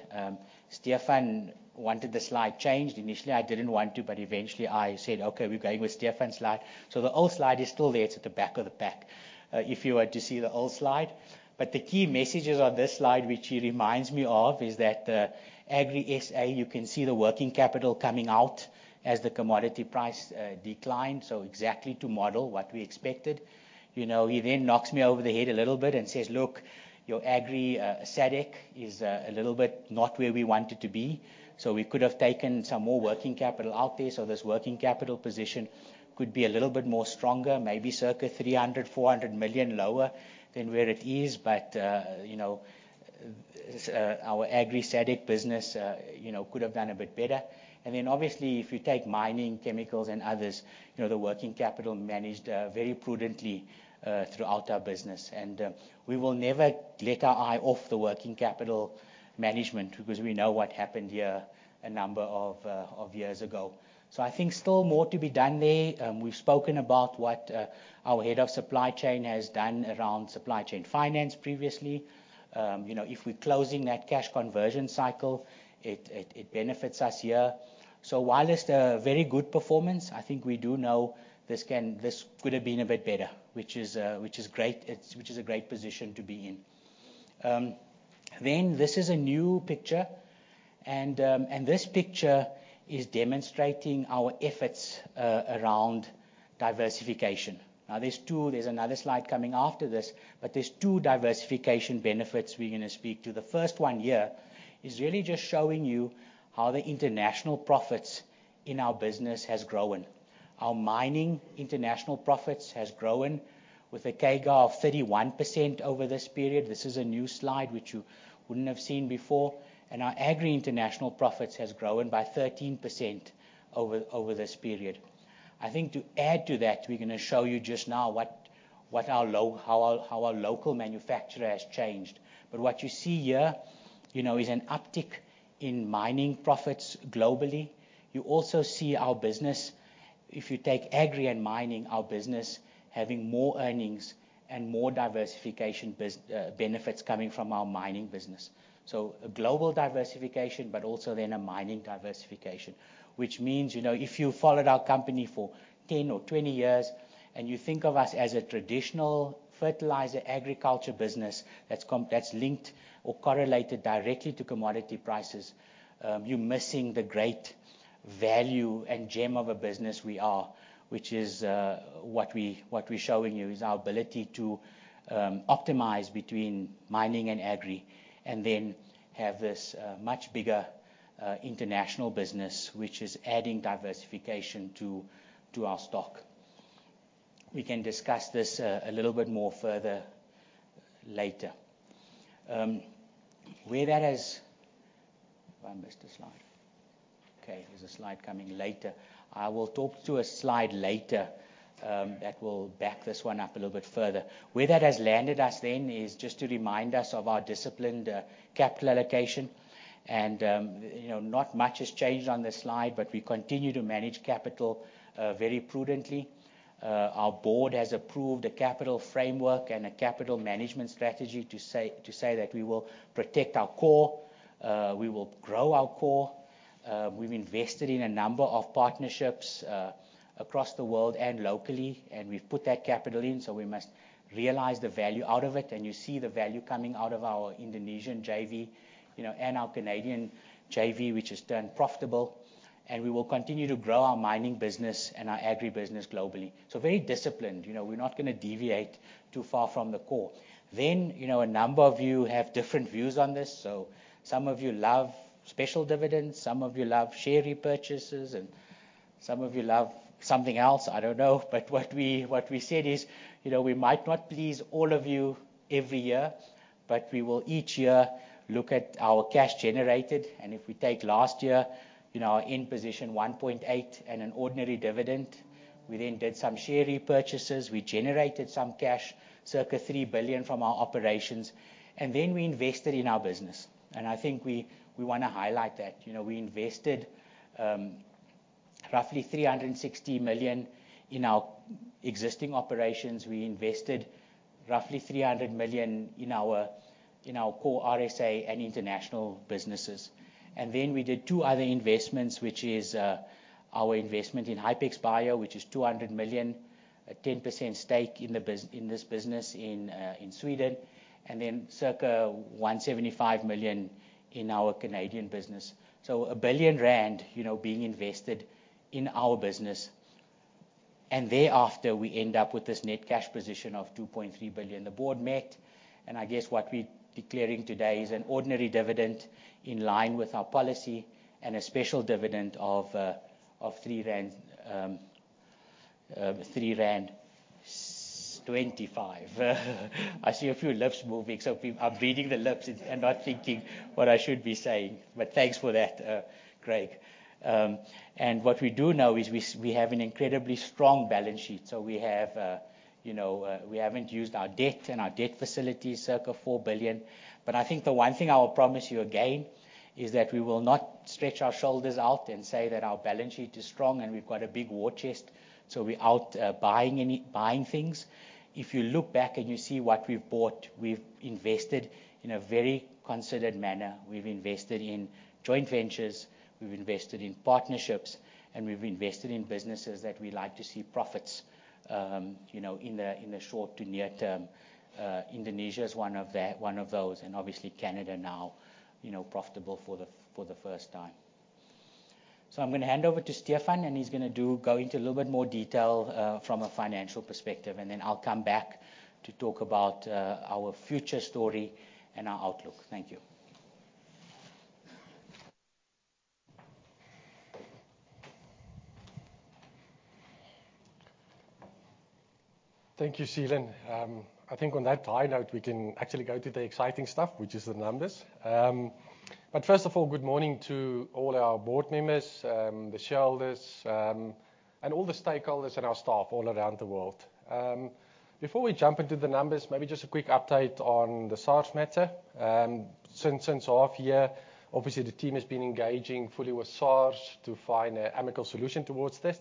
Stephan wanted the slide changed. Initially I didn't want to, but eventually I said, okay, we're going with Stephan slide. So the old slide is still there. It's at the back of the pack if you were to see the old slide. But the key messages on this slide, which he reminds me of, is that Agri SA, you can see the working capital coming out as the commodity price declined. So exactly to model what we expected, you know, he then knocks me over the head a little bit and says, look, your Agri SADC is a little bit not where we want it to be. So we could have taken some more working capital out there. So this working capital position could be a little bit more strong, maybe circa 300 million-400 million lower than where it is. But you know, our Agri SADC business, you know, could have done a bit better. And then obviously if you take Mining Chemicals and others, you know, the working capital managed very prudently throughout our business. And we will never let our eye off the working capital management because we know what happened here a number of years ago. So I think still more to be done there. We've spoken about what our head of supply chain has done around supply chain finance previously. You know, if we're closing that cash conversion cycle, it benefits us here. So while it's a very good performance, I think we do know this could have been a bit better, which is a great position to be in. Then this is a new picture and this picture is demonstrating our efforts around diversification. Now there's two, there's another slide coming after this, but there's two diversification benefits we're going to speak to. The first one here is really just showing you how the international profits in our business has grown. Our mining international profits has grown with a CAGR of 31% over this period. This is a new slide which you wouldn't have seen before. Our Agri International profits has grown by 13% over this period. I think to add to that, we're going to show you just now how our local manufacturer has changed. But what you see here is an uptick in mining profits globally. You also see our business, if you take agri and mining, our business having more earnings and more diversification benefits coming from our mining business. So a global diversification, but also then a mining diversification, which means, you know, if you followed our company for 10 or 20 years and you think of us as a traditional fertilizer agriculture business that's linked or correlated directly to commodity prices, you're missing the great value and gem of a business. We are, which is what we're showing you is our ability to optimize between mining and agri and then have this much bigger international business which is adding diversification to our stock. We can discuss this a little bit more further later where that is. If I missed a small slide, okay, there's a slide coming later. I will talk to a slide later that will back this one up a little bit further. Where that has landed us then is just to remind us of our disciplined capital allocation. You know, not much has changed on this slide, but we continue to manage capital very prudently. Our board has approved a capital framework and a capital management strategy to say that we will protect our core, we will grow our core. We've invested in a number of partnerships across the world and locally and we've put that capital in. So we must realize the value out of it. You see the value coming out of our Indonesian JV, you know, and our Canadian JV which has turned profitable. And we will continue to grow our mining business and our agribusiness globally. So very disciplined, you know, we're not going to deviate too far from the core. Then, you know, a number of you have different views on this. So some of you love special dividends, some of you love share repurchases and some of you love something else. I don't know. But what we, what we said is, you know, we might not please all of you every year, but we will each year look at our cash generated. And if we take last year, you know, in position 1.8 billion and an ordinary dividend, we then did some share repurchases, we generated some cash circa 3 billion from our operations and then we invested in our business. And I think we, we want to highlight that, you know, we invested roughly 360 million in our existing operations. We invested roughly 300 million in our, in our core RSA and international business businesses. And then we did two other investments which is our investment in Hypex Bio, which is 200 million 10% stake in the business, in this business in, in Sweden and then circa 175 million in our Canadian business. So 1 billion rand, you know, being invested in our business and thereafter we end up with this net cash position of 2.3 billion. The board met and I guess what we declaring today is an ordinary dividend in line with our policy and a special dividend of 3.25 rand. I see a few lips moving so I'm beating the lips and not thinking what I should be saying. But thanks for that Craig. And what we do know is we have an incredibly strong balance sheet. So we have, you know, we haven't used our debt and our debt facilities circa 4 billion. But I think the one thing I will promise you again is that we will not stretch our shoulders out and say that our balance sheet is strong and we've got a big war chest so we're out buying things. If you look back and you see what we've bought, we've invested in a very considered manner, we've invested in joint ventures, we've invested in partnerships and we've invested in businesses that we like to see profits in the short to near term. Indonesia is one of those and obviously Canada now profitable for the first time. I'm going to hand over to Stephan and he's going to go into a little bit more detail from a financial perspective and then I'll come back to talk about our future story and our outlook. Thank you. Thank you, Seelan. I think on that high note we can actually go to the exciting stuff which is the numbers. But first of all, good morning to all our board members, the shareholders and all the stakeholders and our staff all around the world. Before we jump into the numbers, maybe just a quick update on the SARS matter. Since half year, obviously the team has been engaging fully with SARS to find an amicable solution towards this.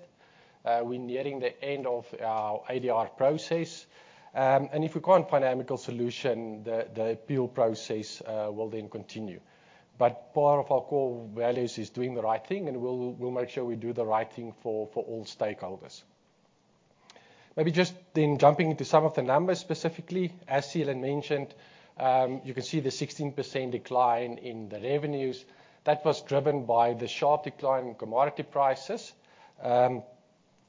We're nearing the end of our ADR process and if we can't find amicable solution, the appeal process will then continue. But part of our core values is doing the right thing and we'll make sure we do the right thing for all stakeholders. Maybe just then jumping into some of the numbers, specifically as Seelan mentioned, you can see the 16% decline in the revenues that was driven by the sharp decline in commodity prices.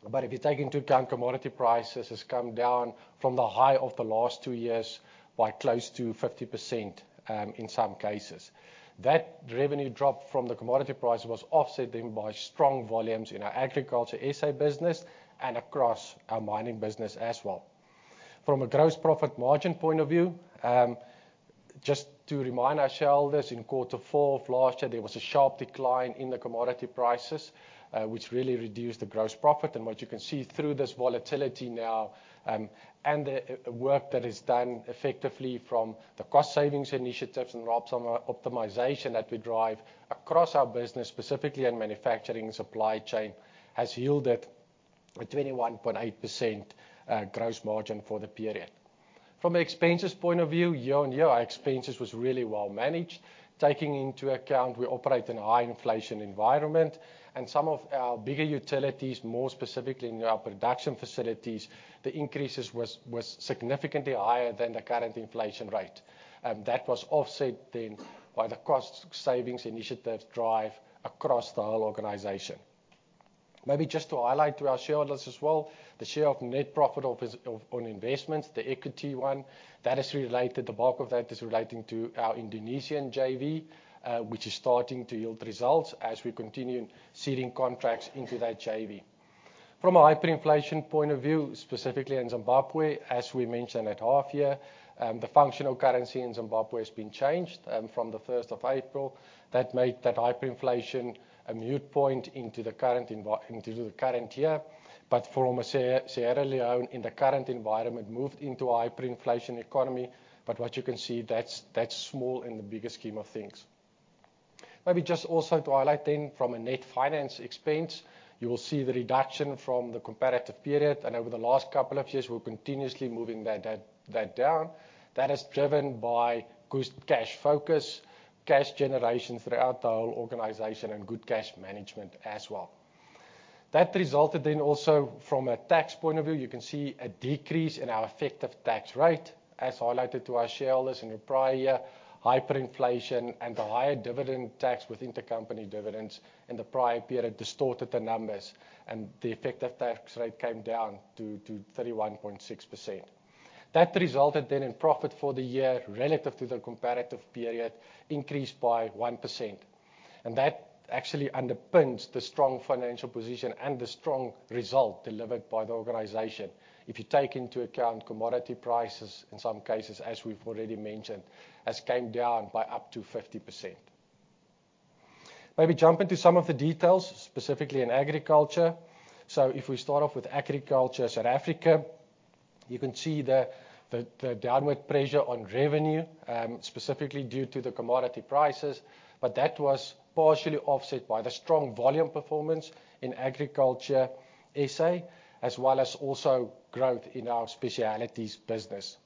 But if you take into account commodity prices has come down from the high of the last two years by close to 50%. In some cases that revenue drop from the commodity price was offset then by strong volumes in our agriculture SA business and across our mining business as well. From a gross profit margin point of view, just to remind our shareholders, in quarter four of last year there was a sharp decline in the commodity prices which really reduced the gross profit. What you can see through this volatility now and the work that is done effectively from the cost savings initiatives and some optimization that we drive across our business, specifically in manufacturing supply chain has yielded a 21.8% gross margin for the period. From an expenses point of view, year-on-year our expenses was really well managed. Taking into account we operate in a high inflation environment and some of our bigger utilities, more specifically in our production facilities, the increases was significantly higher than the current inflation rate. That was offset then by the cost savings initiatives drive across the whole organization. Maybe just to highlight to our shareholders as well the share of net profit on investments, the equity one that is related. The bulk of that is relating to our Indonesian JV which is starting to yield results as we continue seeding contracts into that JV. From a hyperinflation point of view, specifically in Zimbabwe, as we mentioned at half year, the functional currency in Zimbabwe has been changed from the first of April that made that hyperinflation a moot point into the current year. But from a Sierra Leone in the current environment moved into a hyperinflation economy. But what you can see, that's small in the bigger scheme of things. Maybe just also to highlight then from a net finance expense you will see the reduction from the comparative period and over the last couple of years we're continuously moving that down. That is driven by good cash focus, cash generation throughout the whole organization and good cash management as well. That resulted then also from a tax point of view. You can see a decrease in our effective tax rate as highlighted to our shareholders in the prior year. Hyperinflation and the higher dividend tax with intercompany dividends in the prior period distorted the numbers, and the effective tax rate came down to 31.6%. That resulted then in profit for the year relative to the comparative period increased by 1%. And that actually underpins the strong financial position and the strong result delivered by the organization. If you take into account commodity prices in some cases, as we've already mentioned has came down by up to 50%. Maybe jump into some of the details, specifically in agriculture. So if we start off with Agriculture South Africa, you can see the downward pressure on revenue specifically due to the commodity prices. But that was partially offset by the strong volume performance in Agriculture SA as well as also growth in our specialties business.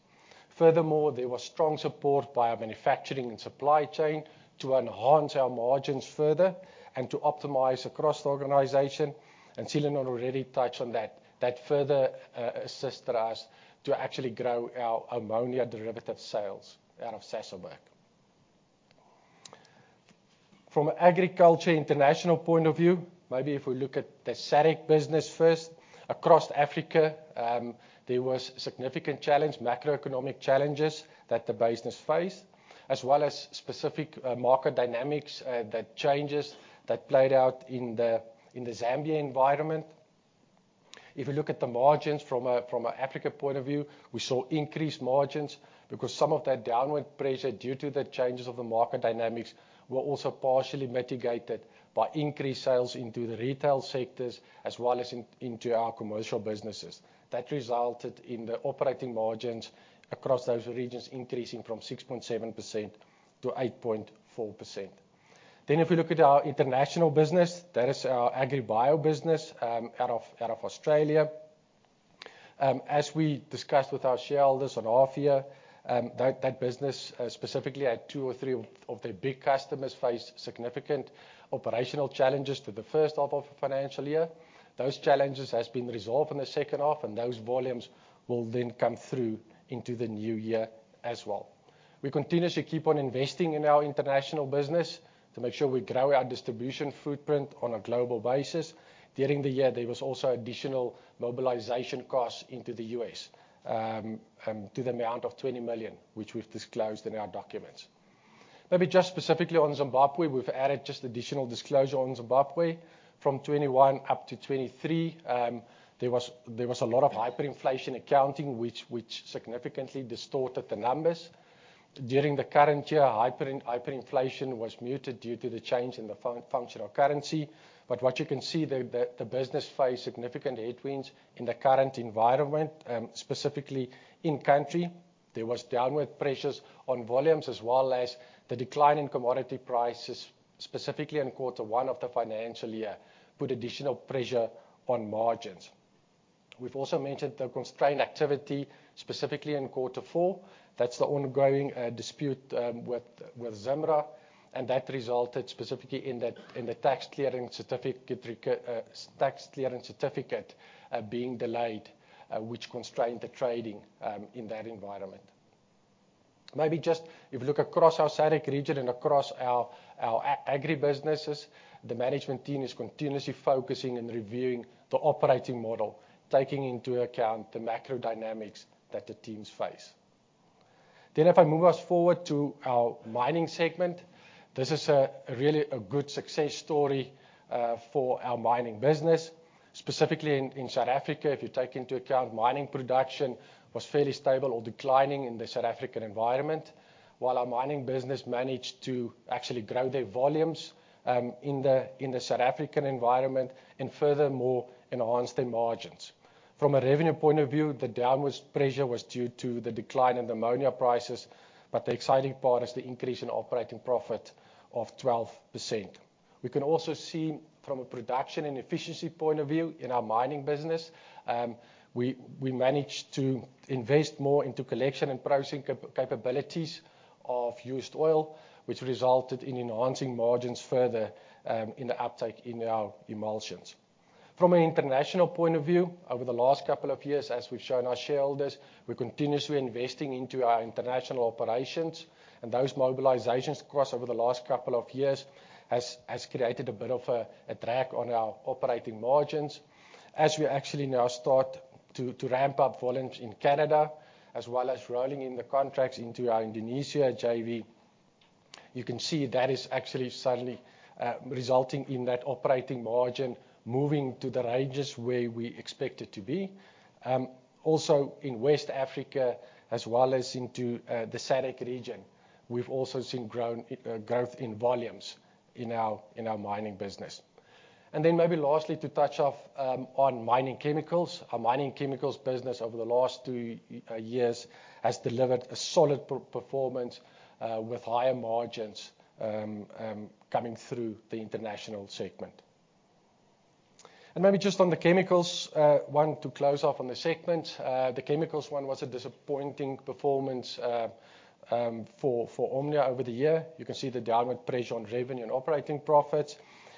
Furthermore, there was strong support by our manufacturing and supply chain to enhance our margins further and to optimize across the organization and Seelan already touched on that, that further assisted us to actually grow our ammonia derivative sales out of Sasolburg. From an Agriculture International point of view, maybe if we look at the SADC business first across Africa there was significant challenge, macroeconomic challenges that the business faced as well as specific market dynamics that changes that played out in the Zambia environment. If we look at the margins from an Africa point of view, we saw increased margins because some of that downward pressure due to the changes of the market dynamics were also partially mitigated by increased sales into the retail sectors as well as into our commercial businesses that resulted in the operating margins across those regions increasing from 6.7%-8.4%. If we look at our international business, that is our AgriBio business out of Australia, as we discussed with our shareholders earlier, that business specifically had two or three of their big customers face significant operational challenges to the first half of the financial year. Those challenges has been resolved in the second half and those volumes will then come through into the new year as well. We continue to keep on investing in our international business to make sure we grow our distribution footprint on a global basis. During the year there was also additional mobilization costs into the U.S. to the amount of 20 million which we've disclosed in our documents. Maybe just specifically on Zimbabwe, we've added just additional disclosure on Zimbabwe from 2021 up to 2023. There was a lot of hyperinflation accounting which significantly distorted the numbers. During the current year hyperinflation was muted due to the change in the functional currency. But what you can see that the business faced significant headwinds and in the current environment, specifically in country there was downward pressures on volumes as well as the decline in commodity prices specifically in quarter one of the financial year put additional pressure on margins. We've also mentioned the constrained activity specifically in quarter four. That's the ongoing dispute with Zimra and that resulted specifically in the tax clearing system, tax clearance certificate being delayed which constrained the trading in that environment. Maybe just if you look across our SADC region and across our agribusinesses, the management team is continuously focusing and reviewing the operating model taking into account the macro dynamics that the teams face. Then if I move us forward to our mining segment, this is really a good success story for our mining business. Specifically in South Africa. If you take into account mining production was fairly stable or declining in the South African environment. While our mining business managed to actually grow their volumes in the South African environment and furthermore enhanced their margins. From a revenue point of view, the downward pressure was due to the decline in ammonia prices. The exciting part is the increase in operating profit of 12%. We can also see from a production and efficiency point of view in our mining business, we managed to invest more into collection and processing capabilities of used oil, which resulted in enhancing margins further in the uptake in our emulsions. From an international point of view, over the last couple of years, as we've shown our shareholders, we're continuously investing into our international operations and those mobilizations cost over the last couple of years has created a bit of a drag on our operating margins as we actually now start to ramp up volumes in Canada as well as rolling in the contracts into our Indonesia JV, you can see that is actually suddenly resulting in that operating margin moving to the ranges where we expand, expected to be also in West Africa as well as into the SADC region. We've also seen growth in volumes in our mining business. And then maybe lastly to touch on mining chemicals, our mining chemicals business over the last two years has delivered a solid performance with higher margins coming through the international segment and maybe just on the chemicals one to close off on the segment. The chemicals one was a disappointing performance for Omnia over the year. You can see the downward pressure on revenue and operating profits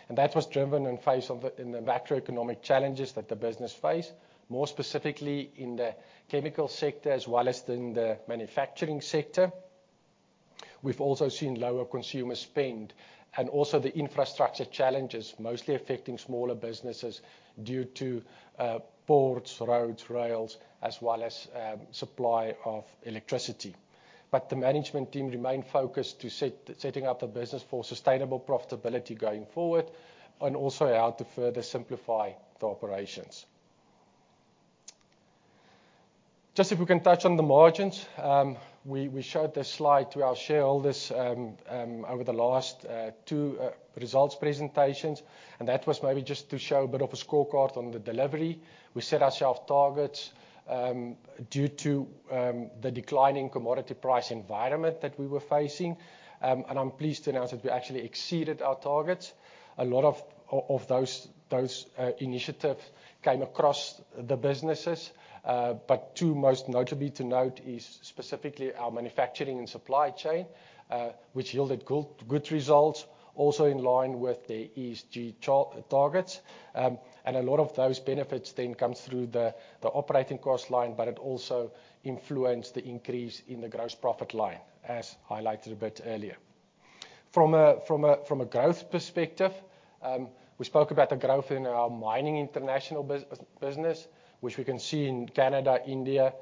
and that was driven in the face of the macroeconomic challenges that the business face. More specifically in the chemical sector as well as in the manufacturing sector, we've also seen lower consumer spending and also the infrastructure challenges mostly affecting smaller businesses due to ports, roads, rails as well as supply of electricity. But the management team remain focused to setting up the business for sustainable profitability going forward and also how to further simplify the operations. Just if we can touch on the margins, we showed this slide to our shareholders over the last two results presentations and that was maybe just to show a bit of a scorecard on the delivery. We set ourselves targets due to the declining commodity price environment that we were facing and I'm pleased to announce that we actually exceeded our targets. A lot of those initiatives came across the businesses, but two most notably to note is specifically our manufacturing and supply chain which yielded good results also in line with the ESG targets and a lot of those benefits then comes through the operating cost line, but it also influenced the increase in the gross profit line as highlighted a bit earlier. From a growth perspective, we spoke about the growth in our mining international business which we can see in Canada, India,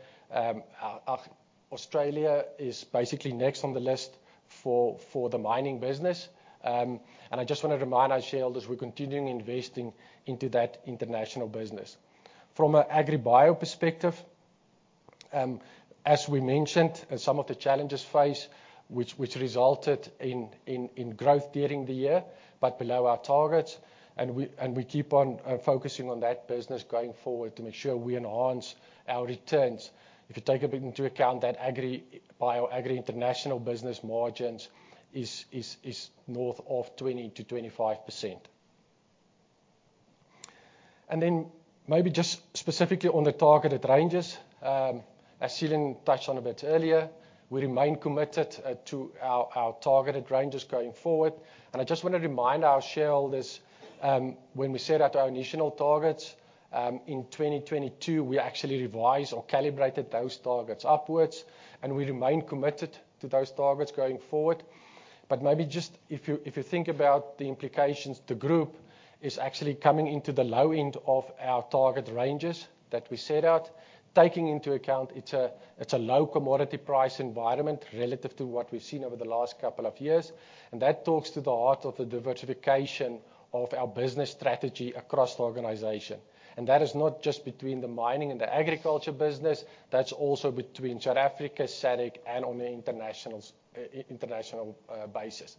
Australia is basically next on the list for the mining business. I just want to remind our shareholders we're continuing investing into that international business from an agribio perspective. As we mentioned, some of the challenges faced which resulted in growth during the year but below our targets and we keep on focusing on that business going forward to make sure we enhance our returns. If you take into account that our agri international business margins is north of 20%-25% and then maybe just specifically on the targeted ranges, as Seelan touched on a bit earlier, we remain committed to our targeted ranges going forward. I just want to remind our shareholders when we set out our initial targets in 2022, we actually revised or calibrated those targets upwards and we remain committed to those targets going forward. Maybe just if you think about the implications, the group is actually coming into the low end of our target ranges that we set out taking into account it's a low commodity price environment relative to what we've seen over the last couple of years and that talks to the heart of the diversification of our business strategy across the organization. That is not just between the mining and the agriculture business. That's also between South Africa, SADC, and on the international basis.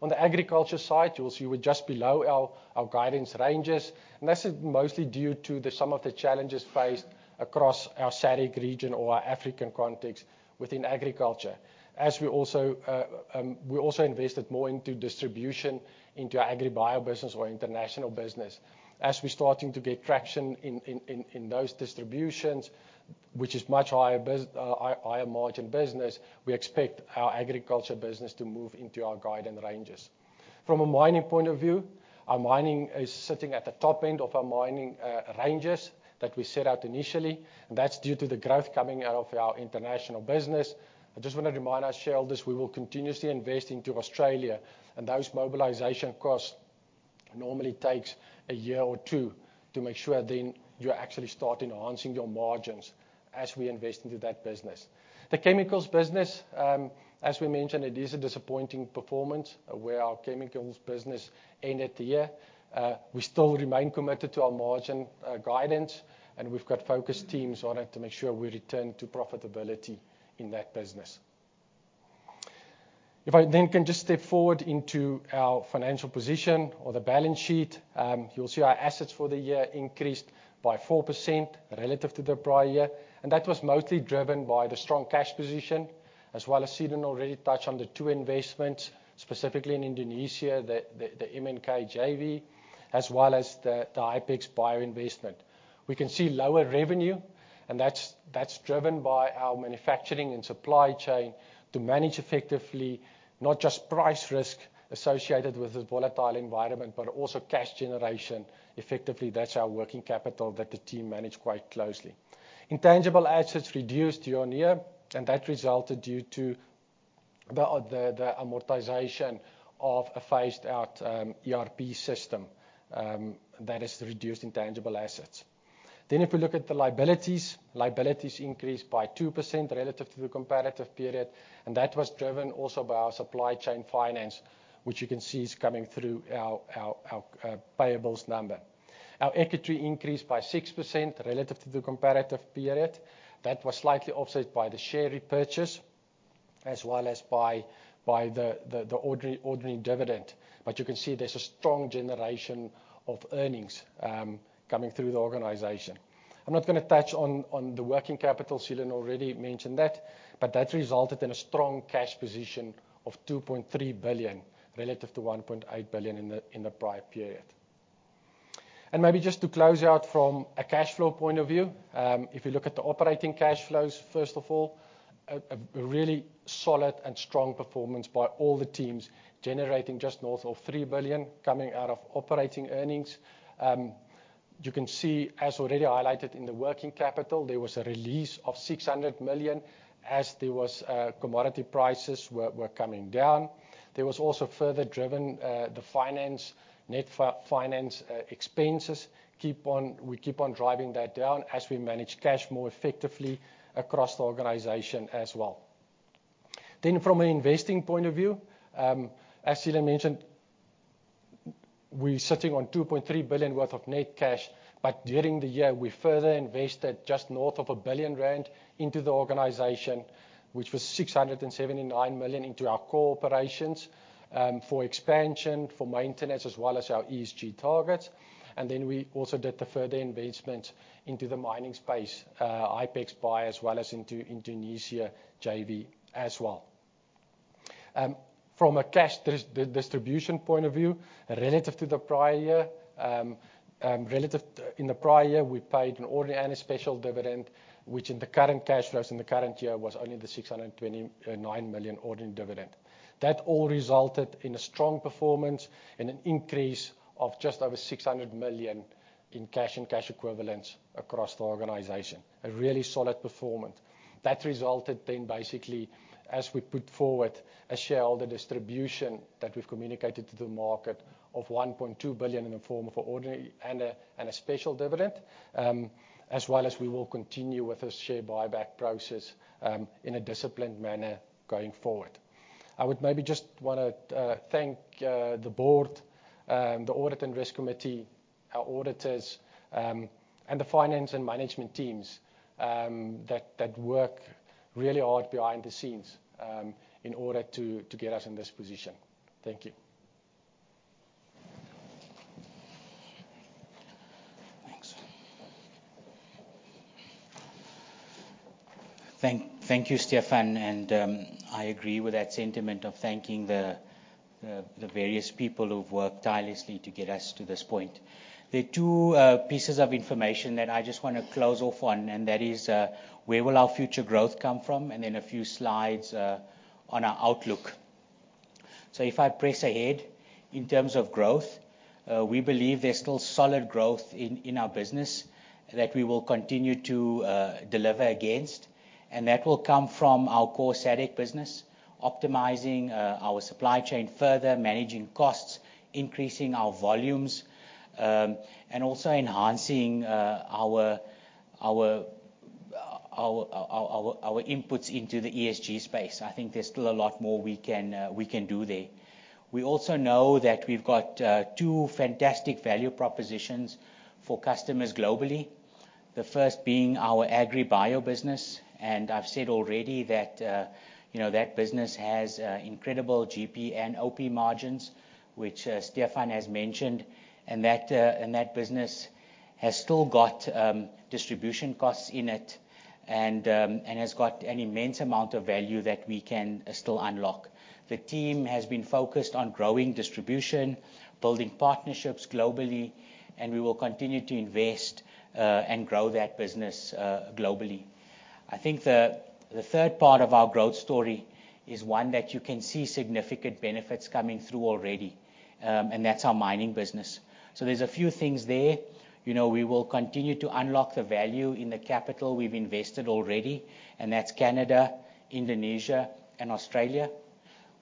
On the agriculture side, you will see we're just below our guidance ranges, and this is mostly due to some of the challenges faced across our SADC region or our African context within agriculture, as we also invested more into distribution into our AgriBio business or international business as we're starting to get traction in those distributions, which is much higher margin business. We expect our agriculture business to move into our guidance ranges. From a mining point of view, our mining is sitting at the top end of our mining ranges that we set out initially, and that's due to the growth coming out of our international business. I just want to remind our shareholders we will continuously invest into Australia and those mobilization costs normally takes a year or two to make sure then you actually start enhancing your margins as we invest into that business. The chemicals business as we mentioned, it is a disappointing performance where our chemicals business ended the year. We still remain committed to our margin guidance and we've got focused teams on it to make sure we return to profitability in that business. If I then can just step forward into our financial position or the balance sheet. You'll see our assets for the year increased by 4% relative to the prior year. That was mostly driven by the strong cash position as well as Stephan already touched on the two investments specifically in Indonesia, the Umongo JV as well as the Hypex Bio investment. We can see lower revenue and that's driven by our manufacturing and supply chain team to manage effectively not just price risk associated with this volatile environment, but also cash generation effectively. That's our working capital that the team managed quite closely. Intangible assets reduced year-on-year. And that resulted due to the amortization of a phased out ERP system that has reduced intangible assets. Then if we look at the liabilities, liabilities increased by 2% relative to the comparative period. And that was driven also by our supply chain finance, which you can see is coming through our payables number. Our equity increased by 6% relative to the comparative period. That was slightly offset by the share repurchase as well as by the ordinary dividend. But you can see there's a strong generation of earnings coming through the organization. I'm not going to touch on the working capital, Seelan already mentioned that. But that resulted in a strong cash position of 2.3 billion relative to 1.8 billion in the prior period. And maybe just to close out from a cash flow point of view, if you look at the operating cash flows, first of all a really solid and strong performance by all the teams generating just north of 3 billion coming out of operating earnings. You can see as already highlighted in the working capital, there was a release of 600 million as there was commodity prices were coming down. There was also further driven the finance net finance expenses. We keep on driving that down as we manage cash more effectively across the organization as well. Then from an investing point of view, as Seelan mentioned, we're sitting on $2.3 billion worth of net cash. But during the year we further invested just north of 1 billion rand into the organization, which was 679 million into our core operations for expansion, for maintenance as well as our ESG targets. And then we also did the further investment into the mining space Hypex Bio as well as into Indonesia JV as well from a cash distribution point of view relative to the prior year, relative in the prior year we paid an ordinary and a special dividend which in the current cash flows in the current year was only the 629 million ordinary dividend. That all resulted in a strong performance and an increase of just over 600 million in cash and cash equivalents across the organization, a really solid performance that resulted. Then basically, as we put forward forward, a shareholder distribution that we've communicated to the market of 1.2 billion in the form of an ordinary and a special dividend as well. As we will continue with this share buyback process in a disciplined manner going forward. I would maybe just want to thank the Board, the Audit and Risk Committee, our auditors, and the finance and management teams that work really hard behind the scenes in order to get us in this position. Thank you. Thanks. Thank you, Stephan. And I agree with that sentiment of thanking the various people who've worked tirelessly to get us to this point. There are two pieces of information that I just want to close off on and that is where will our future growth come from? And then a few slides on our outlook. So if I press ahead in terms of growth, we believe there's still solid growth in our business that we will continue to deliver against and that will come from our core SADC business optimizing our supply chain further, managing costs, increasing our volumes and also enhancing our inputs into the ESG space. I think there's still a lot more we can do there. We also know that we've got two fantastic value propositions for customers globally, the first being our AgriBio business. And I've said already that, you know, that business has incredible GP and OP margins, which Stephan has mentioned, and that business has still got distribution costs in it and has got an immense amount of value that we can still unlock. The team has been focused on growing distribution, building partnerships globally, and we will continue to invest and grow that business globally. I think the third part of our growth story is one that you can see significant benefits coming through already, and that's our mining business. So there's a few things there. You know, we will continue to unlock the value in the capital we've invested already, and that's Canada, Indonesia, and Australia.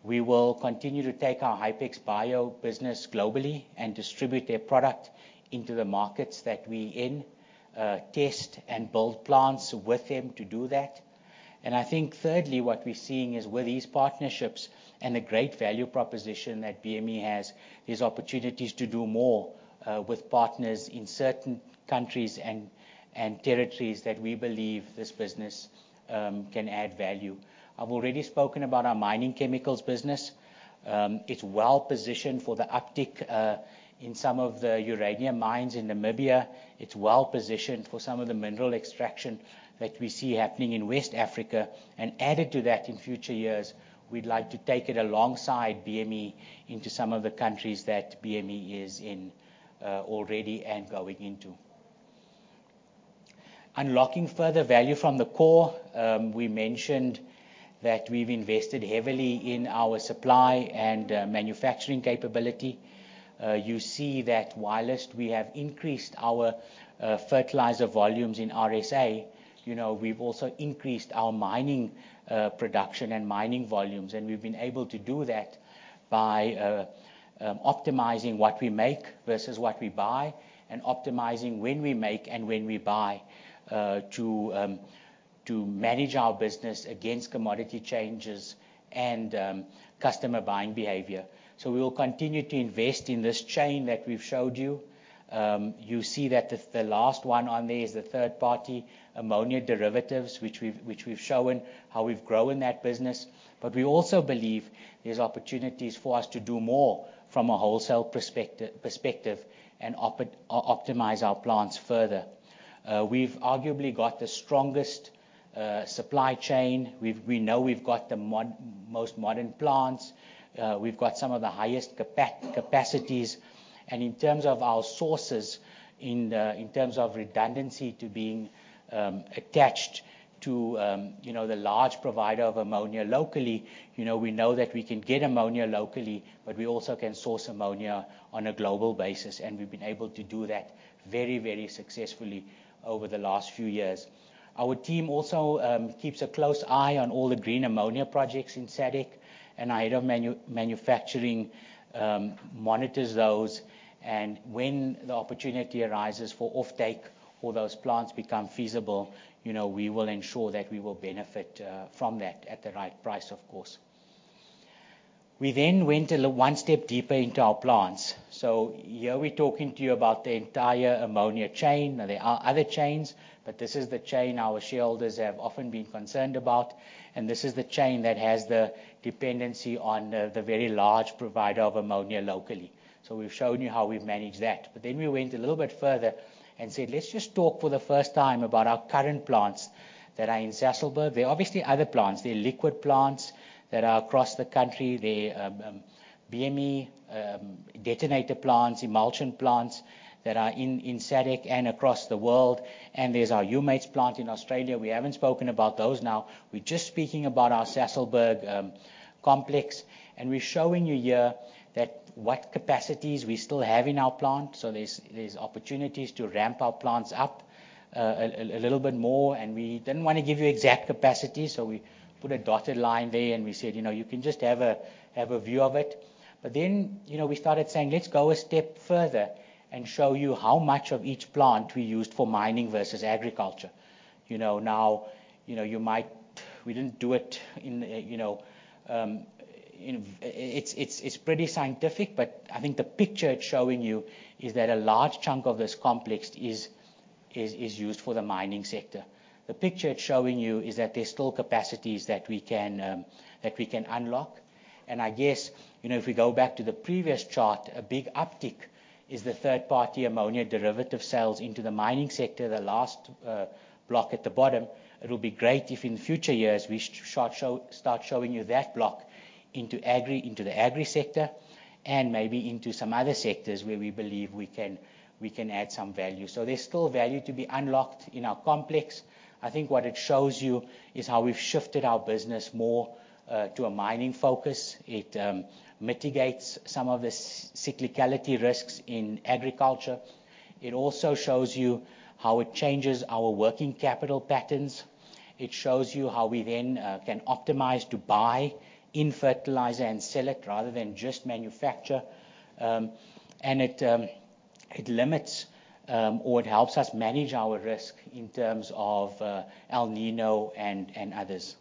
We will continue to take our Hypex Bio business globally and distribute their product into the markets that we intend to test and build plants with them to do that. And I think thirdly, what we're seeing is with these partnerships and the great value proposition that BME has, there's opportunities to do more with partners in certain countries and territories that we believe this business can add value. I've already spoken about our mining chemicals business. It's well positioned for the uptick in some of the uranium mines in Namibia. It's well positioned for some of the mineral extraction that we see happening in West Africa. And added to that, in future years, we'd like to take it alongside BME into some of the countries that BME is in already and going into unlocking further value from the core. We mentioned that we've invested heavily in our supply and manufacturing capability. You see that wireless. We have increased our fertilizer volumes in RSA. You know, we've also increased our mining production and mining volumes. We've been able to do that by optimizing what we make versus what we buy and optimizing when we make and when we buy to manage our business against commodity changes and customer buying behavior. So we will continue to invest in this chain that we've shown you. You see that the last one on there is the third party ammonia derivatives, which we've shown how we've grown that business. But we also believe there's opportunities for us to do more from a wholesale perspective and optimize our plants further. We've arguably got the strongest supply chain. We know we've got the most modern plants, we've got some of the highest capacities and in terms of our sources, in terms of redundancy to being attached to the large provider of ammonia locally, we know that we can get ammonia locally, but we also can source ammonia on a global basis. And we've been able to do that very, very successfully over the last few years. Our team also keeps a close eye on all the green ammonia projects in SADC and a head of manufacturing monitors those. And when the opportunity arises for offtake or those plants become feasible, you know, we will ensure that we will benefit from, from that at the right price, of course. We then went one step deeper into our plants. So here we're talking to you about the entire ammonia chain. There are other chains, but this is the chain our shareholders have often been concerned about. This is the chain that has the dependency on the very large provider of ammonia locally. So we've shown you how we've managed that. But then we went a little bit further and said, let's just talk for the first time about our current plants that are in Sasolburg. There are obviously other plants, they're liquid plants that are across the country, the BME detonator plants, emulsion plants that are in SADC and across the world. And there's our Humates plant in Australia. We haven't spoken about those. Now we're just speaking about our Sasolburg complex. And we're showing you here that what capacities we still have in our plant. So there's opportunities to ramp our plants up a little bit more. We didn't want to give you exact capacity, so we put a dotted line there and we said, you know, you can just have a view of it. But then, you know, we started saying, let's go a step further and show you how much of each plant we used for mining versus agriculture. You know, now, you know, you might, we didn't do it in, you know, it's pretty scientific, but I think the picture it's showing you is that a large chunk of this complex is used for the mining sector. The picture it's showing you is that there's still capacities that we can unlock. And I guess if we go back to the previous chart, a big uptick is the third party ammonia derivative sales into the mining sector. The last block at the bottom. It will be great if in future years we start showing you that block into agri, into the agri sector and maybe into some other sectors where we believe we can add some value so there's still value to be unlocked in our complex. I think what it shows you is how we've shifted our business more to a mining focus. It mitigates some of the cyclicality risks in agriculture. It also shows you how it changes our working capital patterns. It shows you how we then can optimize to buy in fertilizer and sell it rather than just manufacture. And it limits or it helps us manage our risk. In terms of El Niño and others,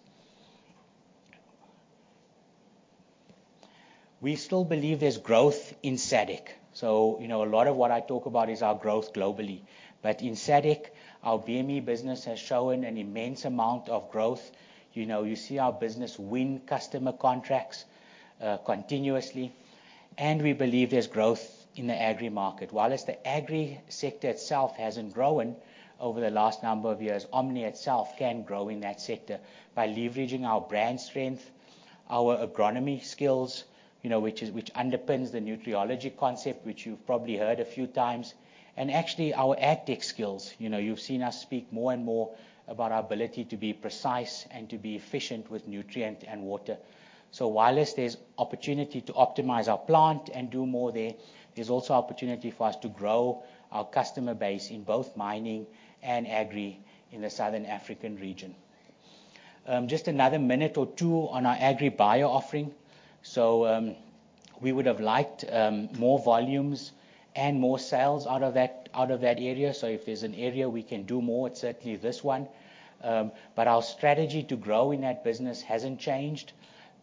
we still believe there's growth in SADC. So you know, a lot of what I talk about is our growth globally. But in SADC, our BME business has shown an immense amount of growth. You know, you see our business win customer contracts continuously. And we believe there's growth in the agri market while as the agri sector itself hasn't grown over the last number of years, Omnia itself can grow in that sector by leveraging our brand strength, our agronomy skills, you know, which is, which underpins the Nutriology concept, which you've probably heard a few times actually, our AgTech skills, you know, you've seen us speak more and more about our ability to be precise and to be efficient with nutrient and water. So, likewise. There's opportunity to optimize our plant and do more. There is also opportunity for us to grow our customer base in both mining and agri in the southern African region. Just another minute or two on our AgriBio offering. So we would have liked more volumes and more sales out of that, out of that area. So if there's an area we can do more. It's certainly this one. But our strategy to grow in that business hasn't changed.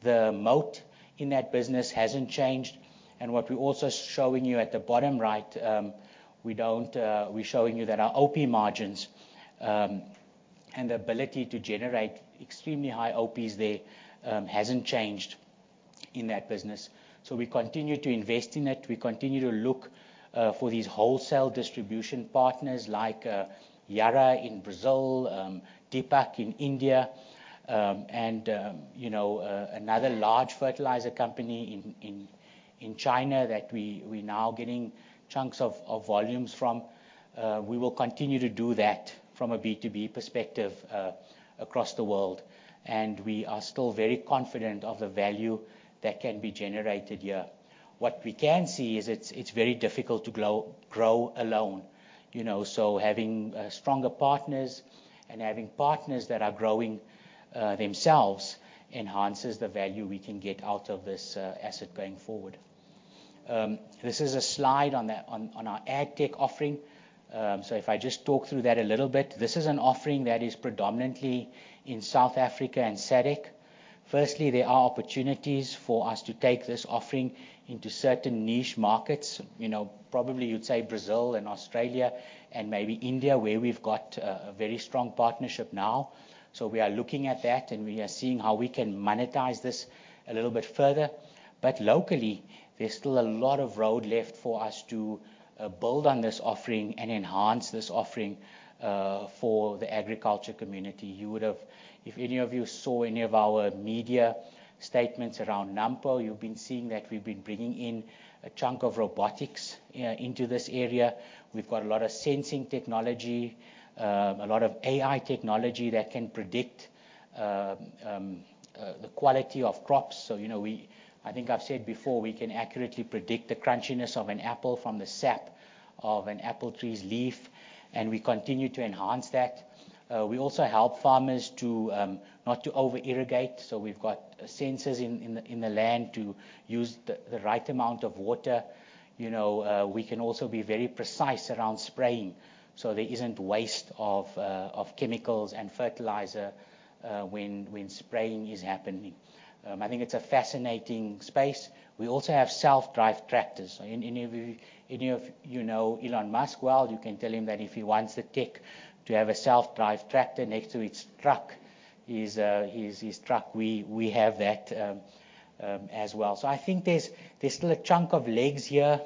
The moat in that business hasn't changed. And what we're also showing you at the bottom right, we don't, we're showing you that our OP margins and the ability to generate exceed extremely high OPs. There hasn't changed in that business. So we continue to invest in it. We continue to look for these wholesale distribution partners like Yara in Brazil, Deepak in India and you know, another large fertilizer company in China that we now getting chunks of volumes from. We will continue to do that from a B2B perspective across the world. And we are still very confident of the value that can be generated here. What we can see is it's very difficult to grow alone. So having stronger partners and having partners that are growing themselves enhances the value we can get out of this asset going forward. This is a slide on our AgTech offering. So if I just talk through that a little bit, this is an offering that is predominantly in South Africa and SADC. Firstly, there are opportunities for us to take this offering into certain niche markets. You know, probably you'd say Brazil and Australia and maybe India where we've got a very strong partnership now. So we are looking at that and we are seeing how we can monetize this a little bit further. But locally there's still a lot of road left for us to build on this offering and enhance this offering for the agriculture community. You would have, if any of you saw any of our media statements around Nampo, you've been seeing that we've been bringing in a chunk of robotics into this area. We've got a lot of sensing technology, a lot of AI technology that can predict the quality of crops. So you know, we, I think I've said before, we can accurately predict the crunchiness of an apple from the sap of an apple tree's leaf. And we continue to enhance that. We also help farmers to not over irrigate. So we've got sensors in the land to use the right amount of water. You know, we can also be very precise around spraying so there isn't waste of chemicals and fertilizer when spraying is happening. I think it's a fascinating space. We also have self drive tractors. Any of you know Elon Musk? Well, you can tell him that if he wants the tech to have a self drive tractor next to its truck, his truck, we have that as well. So I think there's still a chunk of legs. Here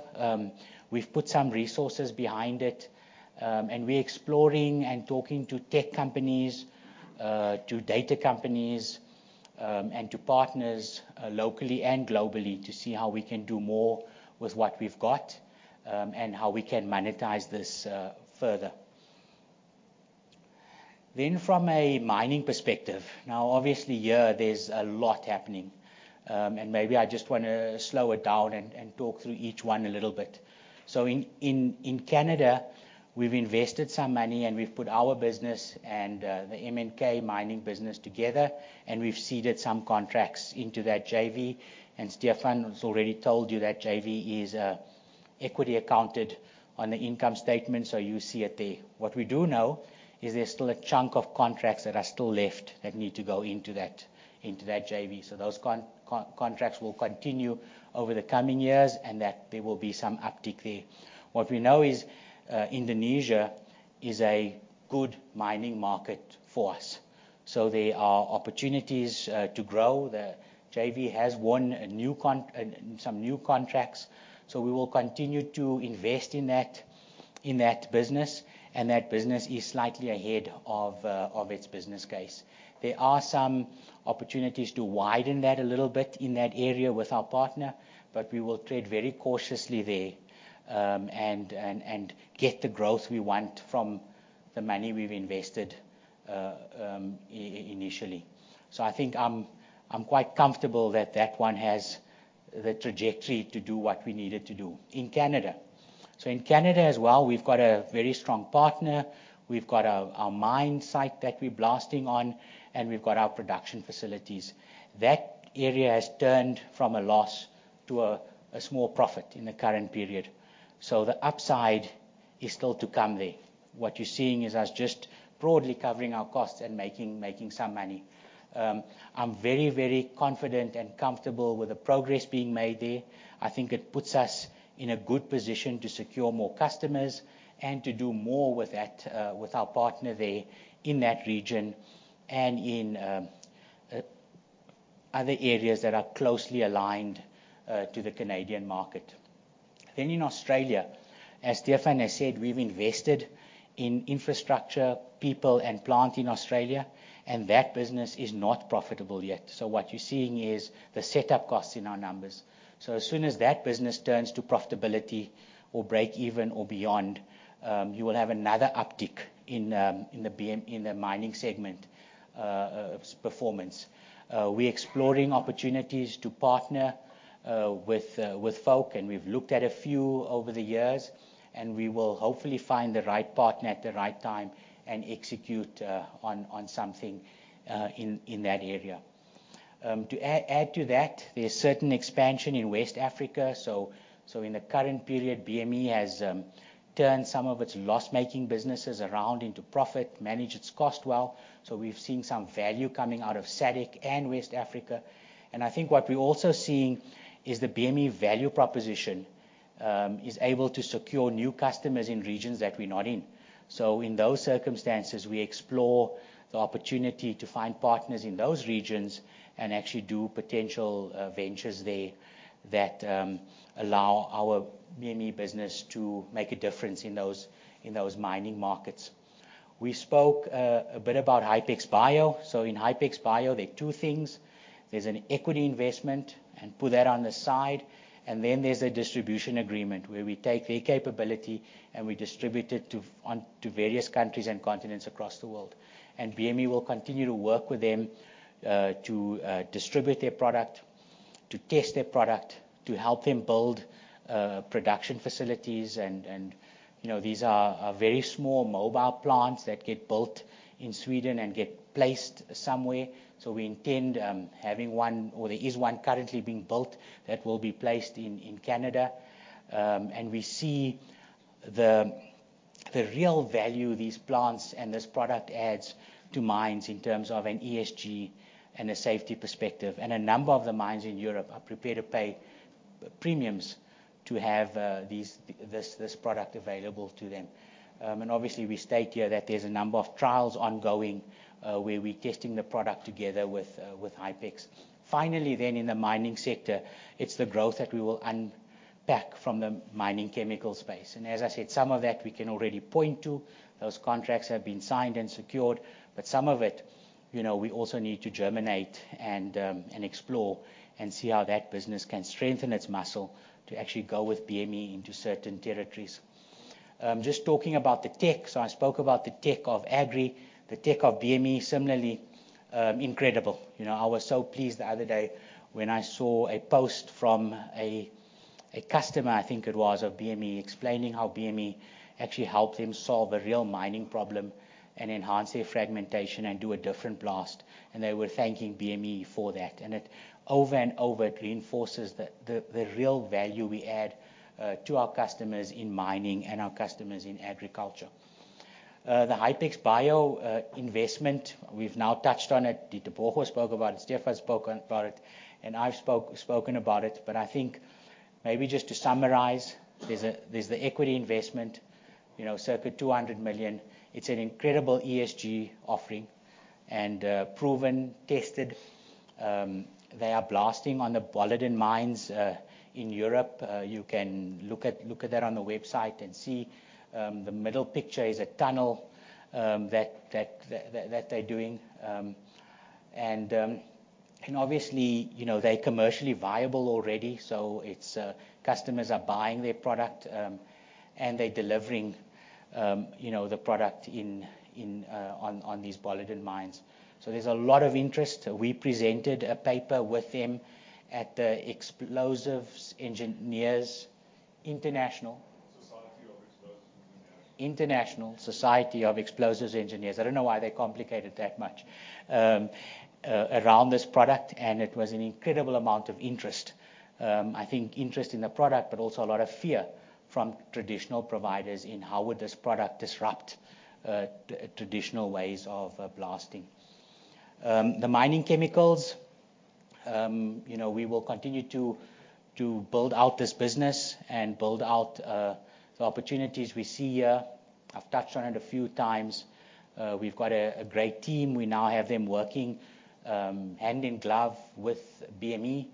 we've put some resources behind it and we're exploring and talking to tech companies, to data companies and to partners locally and globally to see how we can do more with what we've got and how we can monetize this further. Then from a mining perspective. Now obviously here there's a lot happening and maybe I just want to slow it down and talk through each one a little bit. So in Canada we've invested some money and we've put our business and the MNK mining business together and we've seeded some contracts into that JV and Stephan has already told you that JV is equity accounted on the income statement. So you see it there. What we do know is there's still a chunk of coal contracts that are still left that need to go into that, into that JV. So those contracts will continue over the coming years and that there will be some uptick there. What we know is Indonesia is a good mining market for us, so there are opportunities to grow. JV has won some new contracts so we will continue to invest in that, in that business and that business is slightly ahead of its business case. There are some opportunities to widen that a little bit in that area with our partner but we will trade very cautiously there and get the growth we want from the money we've invested initially. So I think I'm quite comfortable that that one has the trajectory to do what we needed to do in Canada. So in Canada as well, we've got a very strong partner. We've got our mine site that we're blasting on and we've got our production facilities. That area has turned from a loss to a small profit in the current period. So the upside is still to come there. What you're seeing is us just broadly covering our costs and making, making some money. I'm very, very confident and comfortable with the progress being made there. I think it puts us in a good position to secure more customers and to do more with our partner there in that region and in other areas that are closely aligned to the Canadian market. Then in Australia, as Stephan has said, we've invested in infrastructure, people and plant in Australia and that business is not profitable yet. So what you're seeing is the setup costs in our numbers. So as soon as that business turns to profitability or break even or beyond, you will have another uptick in the mining segment performance. We're exploring opportunities to partner with Folk and we've looked at a few over the years and we will hopefully find the right partner at the right time and execute on something in that area. To add to that, there's certain expansion in West Africa. So in the current period BME has turned some of its loss-making businesses around into profit, manage its cost well. So we've seen some value coming out of SADC and West Africa. I think what we're also seeing is the BME value proposition is able to secure new customers in regions that we're not in. So in those circumstances we explore the opportunity to find partners in those regions and actually do potential ventures there that allow our BME business to make a difference in those mining markets. We spoke a bit about Hypex Bio. So in Hypex Bio there are two things. There's an equity investment and put that on the side and then there's a distribution agreement where we take their capability and we distribute it onto various countries and continents across the world. And BME will continue to work with them to distribute their product, to test their product, to help them build production facilities. And you know, these are very small mobile plants that get built in Sweden and get placed somewhere. So we intend having one or there is one currently being built that will be placed in Canada. And we see the real value these plants and this product adds to mines in terms of an ESG and a safety perspective. And a number of the mines in Europe are prepared to pay premiums to have this product available to them. And obviously we state here that there's a number of trials ongoing where we testing the product together with Hypex. Finally then in the mining sector it's the growth that we will unpack from the mining, chemicals, space and as I said, some of that we can already point to. Those contracts have been signed and secured but some of it we also need to germinate and explore and see how that business can strengthen its muscle to actually go with BME into certain territories. Just talking about the tech, so I spoke about the tech of Agri, the tech of BME similarly incredible. You know, I was so pleased the other day when I saw a post from a customer, I think it was of BME explaining how BME actually helped him solve a real mining problem and enhance their fragmentation and do a different blast. And they were thanking BME for that. And it over and over it reinforces the real value we add to our customers in mining and our customers in agriculture. The Hypex Bio investment, we've now touched on it. Ditebogo spoke about it, Stephan spoke about it and I've spoken about it. But I think maybe just to summarize, there's the equity investment circa 200 million. It's an incredible ESG offering and proven tested. They are blasting on the Boliden mines in Europe. You can look at that on the website and see the middle picture is a tunnel that they're doing and obviously they commercially viable already. So customers are buying their product and they're delivering the product on these Boliden mines. So there's a lot of interest. We presented a paper with them at the International Society of Explosives Engineers. I don't know why they complicated that much around this product. And it was an incredible amount of interest, I think interest in the product but also a lot of fear from traditional providers in how would this product disrupt traditional ways of blasting the mining chemicals. You know, we will continue to build out this business and build out the opportunities we see here. I've touched on it a few times. We've got a great team. We now have them working hand in glove with BME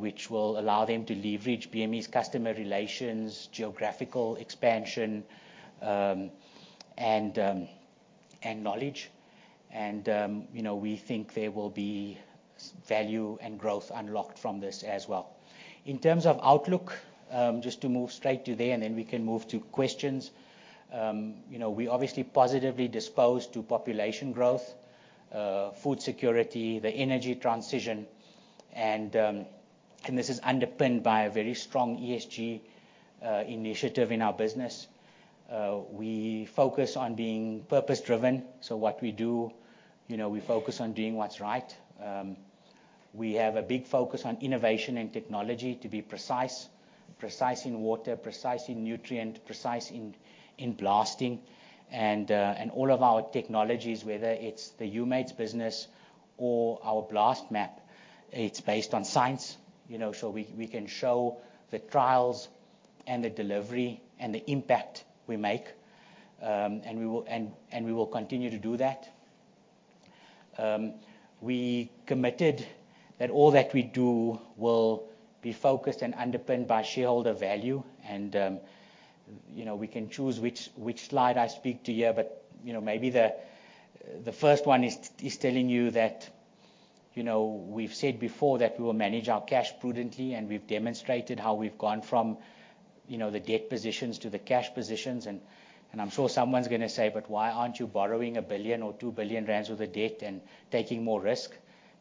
which will allow them to leverage BME's customer relations, geographical expansion and knowledge. And we think there will be value and growth unlocked from this as well. In terms of outlook, just to move straight to there, and then we can move to quick questions. You know, we obviously positively disposed to population growth, food security, the energy transition. And this is underpinned by a very strong ESG initiative in our business. We focus on being purpose driven. So what we do, you know, we focus on doing what's right. We have a big focus on innovation and technology to be precise, precise in water, precise in nutrient, precise in blasting. And all of our technologies, whether it's the Humates business or our BlastMap, it's based on science, you know, so we can show the trials and the delivery and the impact we make. And we will continue to do that. We committed that all that we do will be focused and underpinned by shareholder value. You know, we can choose which slide I speak to here. But you know, maybe the first one is telling you that, you know, we've said before that we will manage our cash prudently and we've demonstrated how we've gone from, you know, the debt positions to the cash positions. And I'm sure someone's going to say but why aren't you borrowing 1 billion or 2 billion rand? ZAR 2 billion with the debt and taking more risk.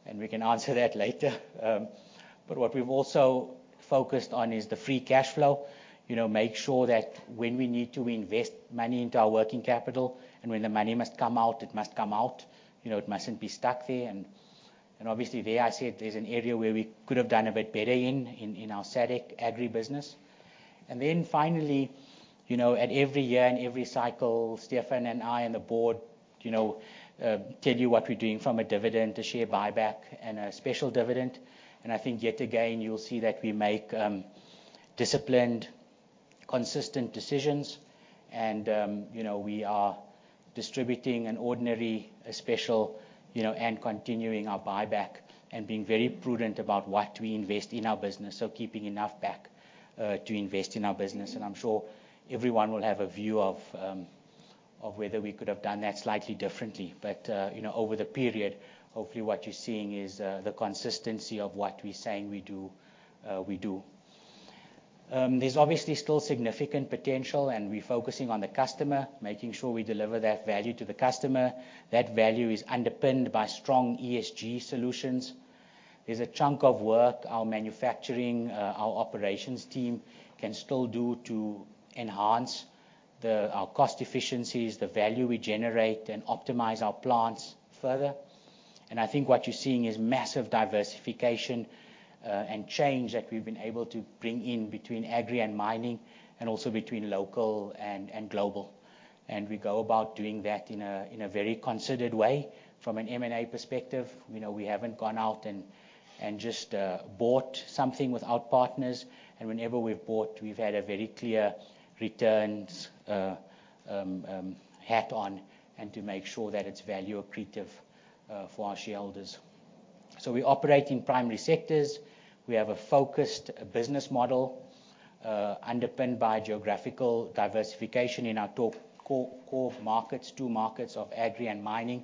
And we can answer that later. But what we've also focused on is the free cash flow. You know, make sure that when we need to invest money into our working capital and when the money must come out, it must come out, you know, it mustn't be stuck there. And obviously there I said, there's an area where we could have done a bit better in our SADC agribusiness. And then finally, you know, at every year and every cycle, Stephan and I and the board, you know, tell you what we're doing from a dividend, a share buyback and a special dividend. I think yet again you'll see that we make disciplined, consistent decisions and, you know, we are distributing an ordinary special, you know, and continuing our buyback and being very prudent about what we invest in our business, so keeping enough back to invest in our business. I'm sure everyone will have a view of whether we could have done that slightly differently. But, you know, over the period, hopefully what you're seeing is the consistency of what we saying we do. There's obviously still significant potential and we're focusing on the customer, making sure we deliver that value to the customer. That value is underpinned by strong ESG solutions. There's a chunk of work our manufacturing, our operations team can still do to enhance the cost efficiencies, the value we generate and optimize our plants further. I think what you're seeing is massive diversification and change that we've been able to bring in between agri and mining and also between local and global. We go about doing that in a very considered way from an M&A perspective. You know, we haven't gone out and just bought something without partners and whenever we've bought, we've had a very clear returns hat on and to make sure that it's value accretive for our shareholders. We operate in primary sectors. We have a focused business model underpinned by geographical diversification in our core markets, two markets of agri and mining.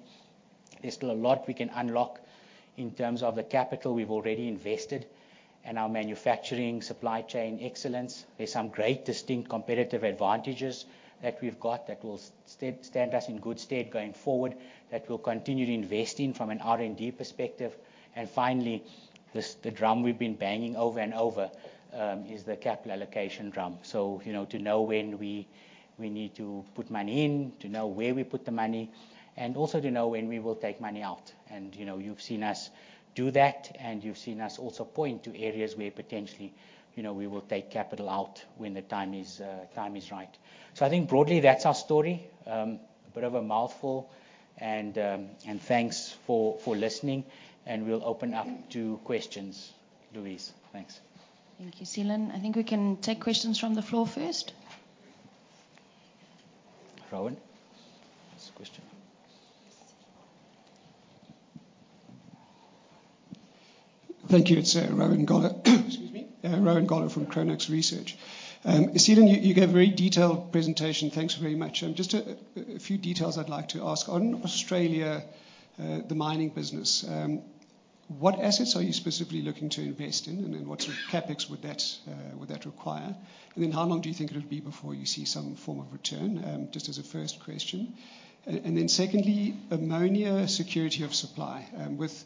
There's still a lot we can unlock in terms of the capital we've already invested and our manufacturing supply chain excellence. There's some great distinct competitive advantages that we've got that will stand us in good stead going forward that we'll continue to invest in from an R&D perspective. And finally, the drum we've been banging over and over is the capital allocation drum. So, you know, to know when we need to put money in, to know where we put the money and also to know when we will take money out. And, you know, you've seen us do that and you've seen us also point to areas where potentially, you know, we will take capital out when the time is right. So I think broadly, that's our story. A bit of a mouthful and thanks for listening and we'll open up to questions. Louise, thanks. Thank you, Seelan. I think we can take questions from the floor first. Rowan. Thank you. It's Rowan Goeller from Chronux Research. You gave a very detailed presentation. Thanks very much. Just a few details I'd like to ask on. On Australia, the mining business, what assets? Are you specifically looking to invest in and what sort of CapEx would that require? How long do you think it would be before you see some form of return? Just as a first question. Then secondly, ammonia security of supply with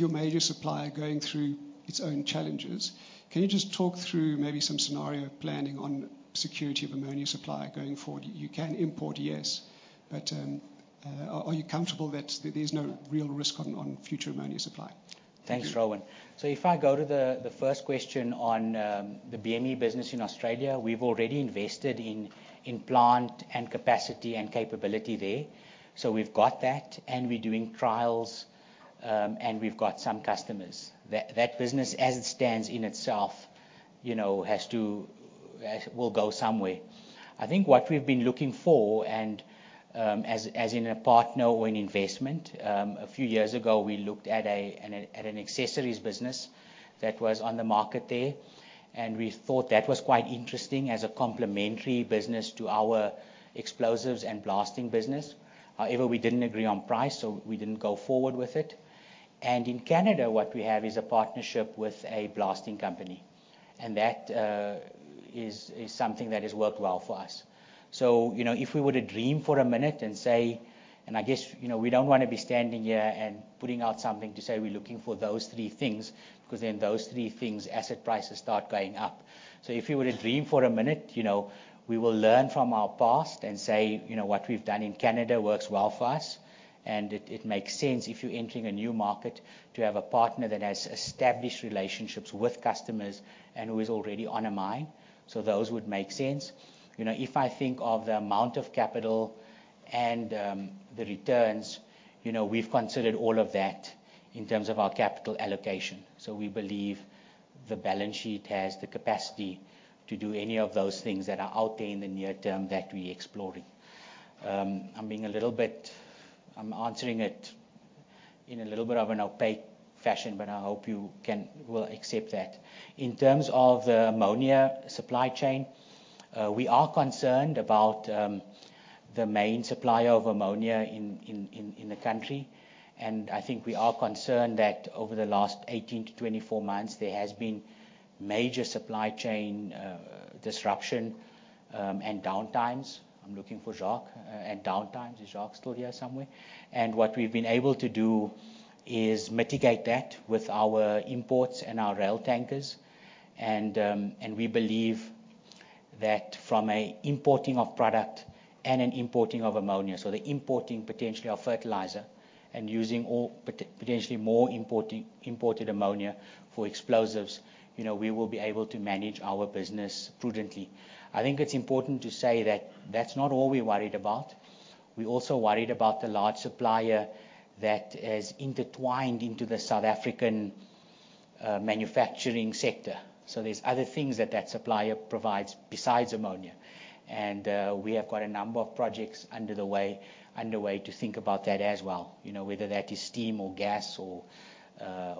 your major supplier going through its own challenges. Can you just talk through maybe some scenario planning on security of an ammonia supply going forward you can import? Yes, but are you comfortable that there's no real risk on future ammonia supply? Thanks, Rowan. So if I go to the first question on the BME business in Australia, we've already invested in plant and capacity and capability there. So we've got that and we're doing trials and we've got some customers. That business as it stands in itself, you know, has to go somewhere. I think what we've been looking for, as in, a partner or an investment. A few years ago, we looked at an accessories business that was on the market there and we thought that was quite interesting as a complementary business to our explosives and blasting business. However, we didn't agree on price so we didn't go forward with it. And in Canada, what we have is a partnership with a blasting company and that is something that has worked well for us. So, you know, if we were to dream for a minute and say, and I guess, you know, we don't want to be standing here and putting out something to say, we're looking for those three things because then those three things, asset prices start going up. So if you were to dream for a minute, you know, we will learn from our past and say, you know, what we've done in case Canada works well for us. And it makes sense if you're entering a new market to have a partner that has established relationships with customers and who is already on a mine. So those would make sense, you know, if I think of the amount of capital and the returns, you know, we've considered all of that in terms of our capital allocation. So we believe the balance sheet has the capacity to do any of those things that are out there in the near term that we exploring. I'm being a little bit, I'm answering it in a little bit of an opaque fashion, but I hope you can will accept that in terms of the ammonia supply chain, we are concerned about the main supplier of ammonia in the country. And I think we are concerned that over the last 18-24 months there has been major supply chain disruption and downtimes. I'm looking for Jacques and downtimes is Jacques still here somewhere? And what we've been able to do is mitigate that with our imports and our rail tankers. We believe that from importing of product and importing of ammonia, so the importing potentially of fertilizer and using all potentially more imported ammonia for explosives, you know, we will be able to manage our business prudently. I think it's important to say that that's not all we worried about. We also worried about the large supplier that is intertwined into the South African manufacturing sector. So there's other things that that supplier provides besides ammonia. And we have got a number of projects underway to think about that as well. You know, whether that is steam or gas or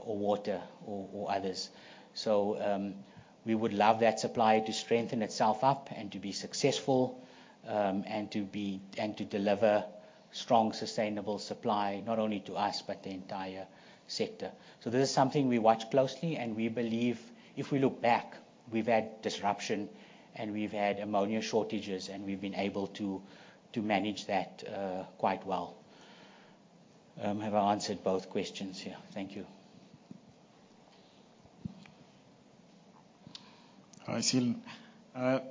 water or others. So we would love that supply to strengthen itself up and to be. And to deliver strong sustainable supply not only to us, but the entire sector. So this is something we watch closely and we believe if we look back, we've had disruption and we've had ammonia shortages and we've been able to manage that quite well. Have I answered both questions here? Thank you.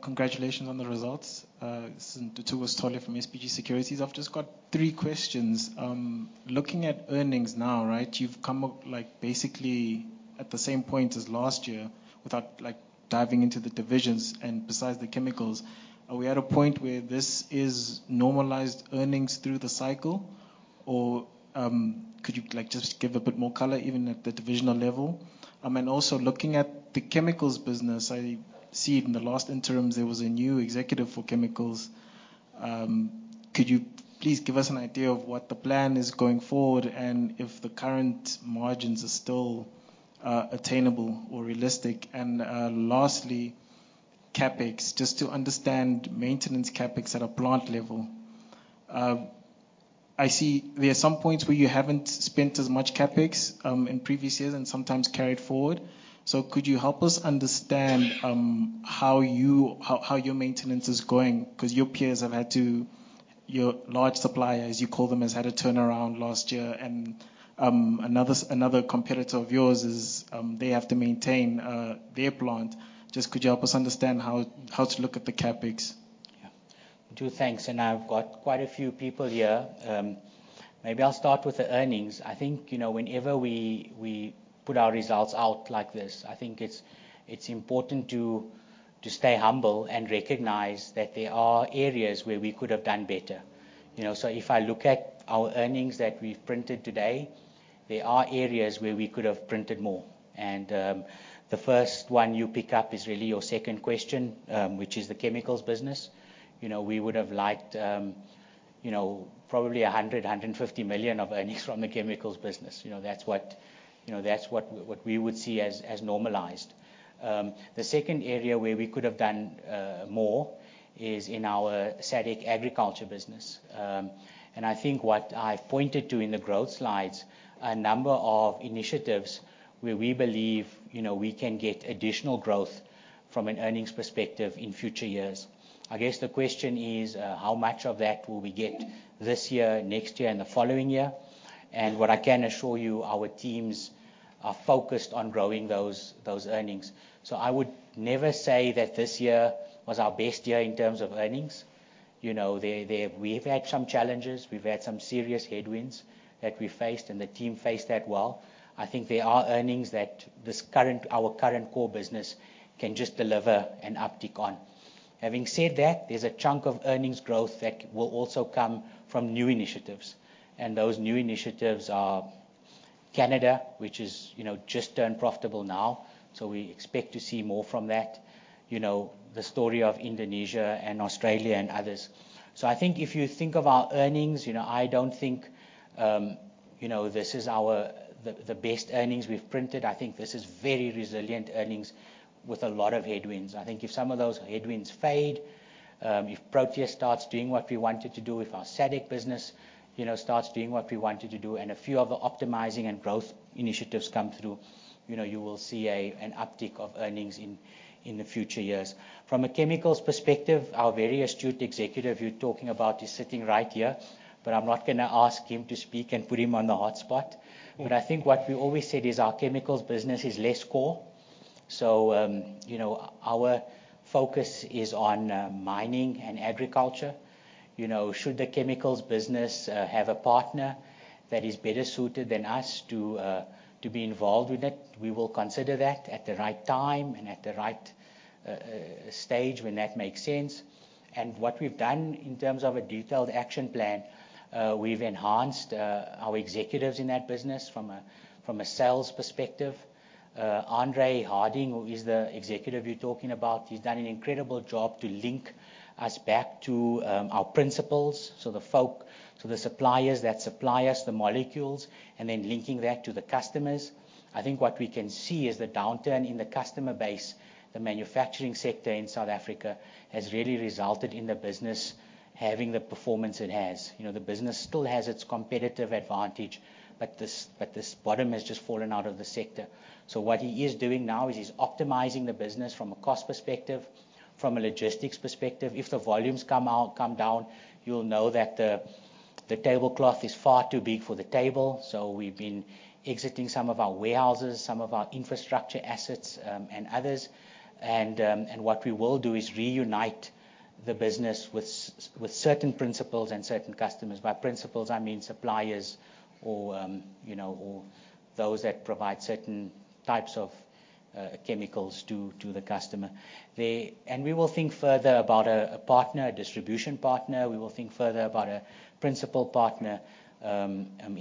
Congratulations on the results from SPG Securities. I've just got three questions. Looking at earnings now, right? You've come up like basically at the same point as last year without like diving into the divisions and besides the chemicals, are we at a point where this is normalized earnings through the cycle or could you like just give a bit more color even at the divisional level? And also looking at the chemicals business, I see in the last interims there was a new executive for chemicals. Could you please give us an idea of what the plan is to going forward and if the current margins are still attainable or realistic. And lastly CapEx, just to understand maintenance CapEx at a plant level, I see there are some points where you haven't spent as much CapEx in previous years and sometimes carried forward. So could you help us understand how you, how your maintenance is going? Because your peers have had to. Your large supplier, as you call them, has had a turnaround last year and another, another competitor of yours is. They have to maintain their plant. Just could you help us understand how to look at the CapEx too. Thanks. I've got quite a few people here. Maybe I'll start with the earnings. I think, you know, whenever we put our results out like this, I think it's important to, to stay humble and recognize that there are areas where we could have done better, you know, so if I look at our earnings that we've printed today, there are areas where we could have printed more. The first one you pick up is really your second question, which is the chemicals business. You know, we would have liked, you know, probably 100-150 million of earnings from the chemicals business. You know, that's what, you know, that's what, what we would see as normalized. The second area where we could have done more is in our SADC agriculture business. I think what I pointed to in the growth slides, a number of initiatives where we believe, you know, we can get additional growth from an earnings perspective in future years. I guess the question is, how much of that will we get this year, next year and the following year? And what I can assure you, our teams are focused on growing those earnings. So I would never say that this year was our best year in terms of earnings. You know, we've had some challenges, we've had some serious headwinds that we faced and the team faced that well. I think there are earnings that our current core business can just deliver an uptick on. Having said that, there's a chunk of earnings growth that will also come from new initiatives, and those new initiatives are Canada, which is, you know, just turned profitable now. So we expect to see more from that. You know, the story of Indonesia and Australia and others. So I think if you think of our earnings, you know, I don't think, you know, this is our, the best earnings we've printed. I think this is very resilient earnings with a lot of headwinds. I think if some of those headwinds fade, if Protea starts doing what we wanted to do, if our SADC business starts doing what we wanted to do, and a few of the optimizing and growth initiatives come through, you will see an uptick of earnings in the future years from a chemicals perspective. Our very astute executive you're talking about is sitting right here, but I'm not going to ask him to speak and put him on the hotspot. But I think what we always said is our chemicals business is less core. So, you know, our focus is on mining and agriculture. You know, should the chemicals business have a partner that is better suited than us to be involved with it. We will consider that at the right time and at the right stage when that makes sense. And what we've done in terms of a detailed action plan, we've enhanced our executives in that business. From a sales perspective, Andre Harding, who is the executive you're talking about, he's done an incredible job to link us back to our principals, so the folk to the suppliers that supply us the molecules and then linking that to the customers. I think what we can see is the downturn in the customer base, the manufacturing sector in South Africa has really resulted in the business having the performance it has. You know, the business still has its competitive advantage, but this bottom has just fallen out of the sector. So what he is doing now is he's optimizing the business from a cost perspective, from a logistics perspective. If the volumes come out, come down, you'll know that the tablecloth is far too big for the table. So we've been exiting some of our warehouses, some of our infrastructure assets and others. What we will do is reunite the business with certain principals and certain customers. By principals, I mean suppliers or, you know, those that provide certain types of chemicals to the customer. We will think further about a partner, a distribution partner. We will think further about a principal partner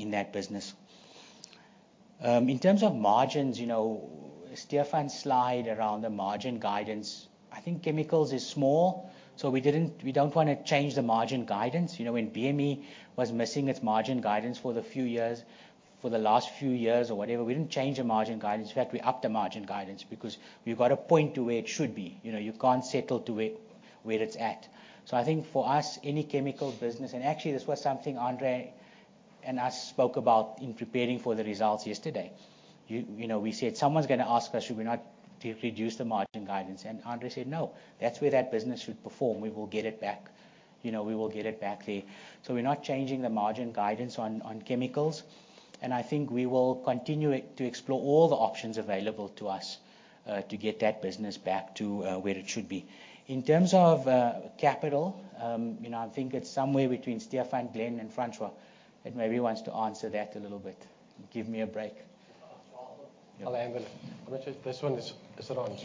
in that business in terms of margins. You know, see the front slide around the margin guidance. I think chemicals is small. So we didn't. We don't want to change the margin guidance. You know, when BME was missing its margin guidance for the few years, for the last few years or whatever, we didn't change the margin guidance. In fact, we upped the margin guidance because you got a point to where it should be. You know, you can't settle to it where it's at. So I think for us, any chemical business, and actually this was something Andre and us spoke about in preparing for the results yesterday. You know, we said, someone's going to ask us, should we not reduce the margin guidance? And Andre said, no, that's where that business should perform. We will get it back. You know, we will get it back there. So we're not changing the margin guidance on chemicals. I think we will continue to explore all the options available to us to get that business back to where it should be in terms of capital. You know, I think, I think it's somewhere between Stephan, Glen and Francois that maybe wants to answer that a little bit. Give me a break. I'm not sure if this one is on.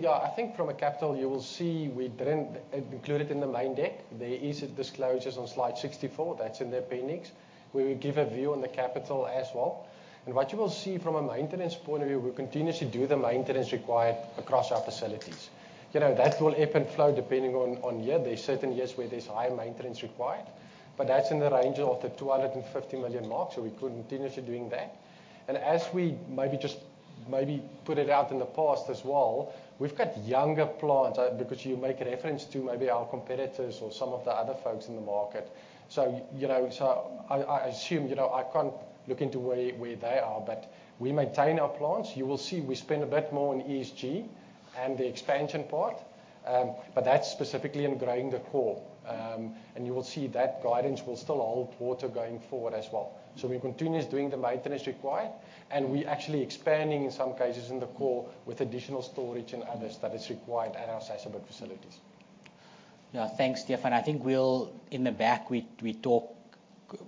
Yeah, I think from a capital, you will see we didn't include it in the main deck. There is a disclosures on slide 64 that's in the appendix where we give a view on the capital as well and what you will see from a maintenance point of view. We continuously do the maintenance required across our facilities. You know, that will ebb and flow depending on year. There's certain years where there's high maintenance required but that's in the range of the 250 million marks. So we continuously doing that and as we maybe just maybe put it out in the past as well, we've got younger plants because you make reference to maybe our competitors or some of the other folks in the market. So you know, so I assume, you know, I can't look into where they are, but we maintain our plants. You will see we spend a bit more on ESG and the expansion part but that's specifically in growing the core. And you will see that guidance will still hold water going forward as well. So we continue doing the maintenance required and we actually expanding in some cases in the core with additional storage and others that is required at our Sasolburg facilities. Yeah, thanks Stephan. I think we'll in the back, we talk,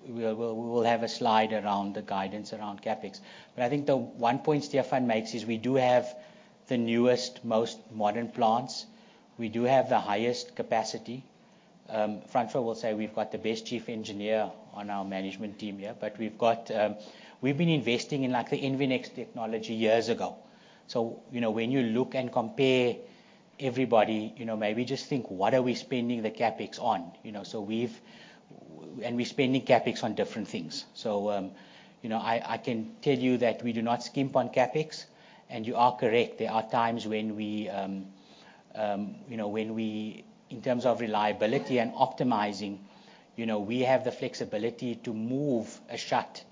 we will have a slide around the guidance around CapEx. But I think the one point Stephan makes is we do have the newest, most modern plants. We do have the highest capacity. Francois will say we've got the best chief engineer on our management team here. But we've got, we've been investing in like the EnviNOx technology years ago. So you know, when you look and compare everybody, you know, maybe just think one, what are we spending the CapEx on? You know, so we've. And we're spending CapEx on different things. So you know, I can tell you that we do not skimp on CapEx. And you are correct. There are times when we, you know, when we, in terms of reliability and optimizing, you know, we have the flexibility to move a shut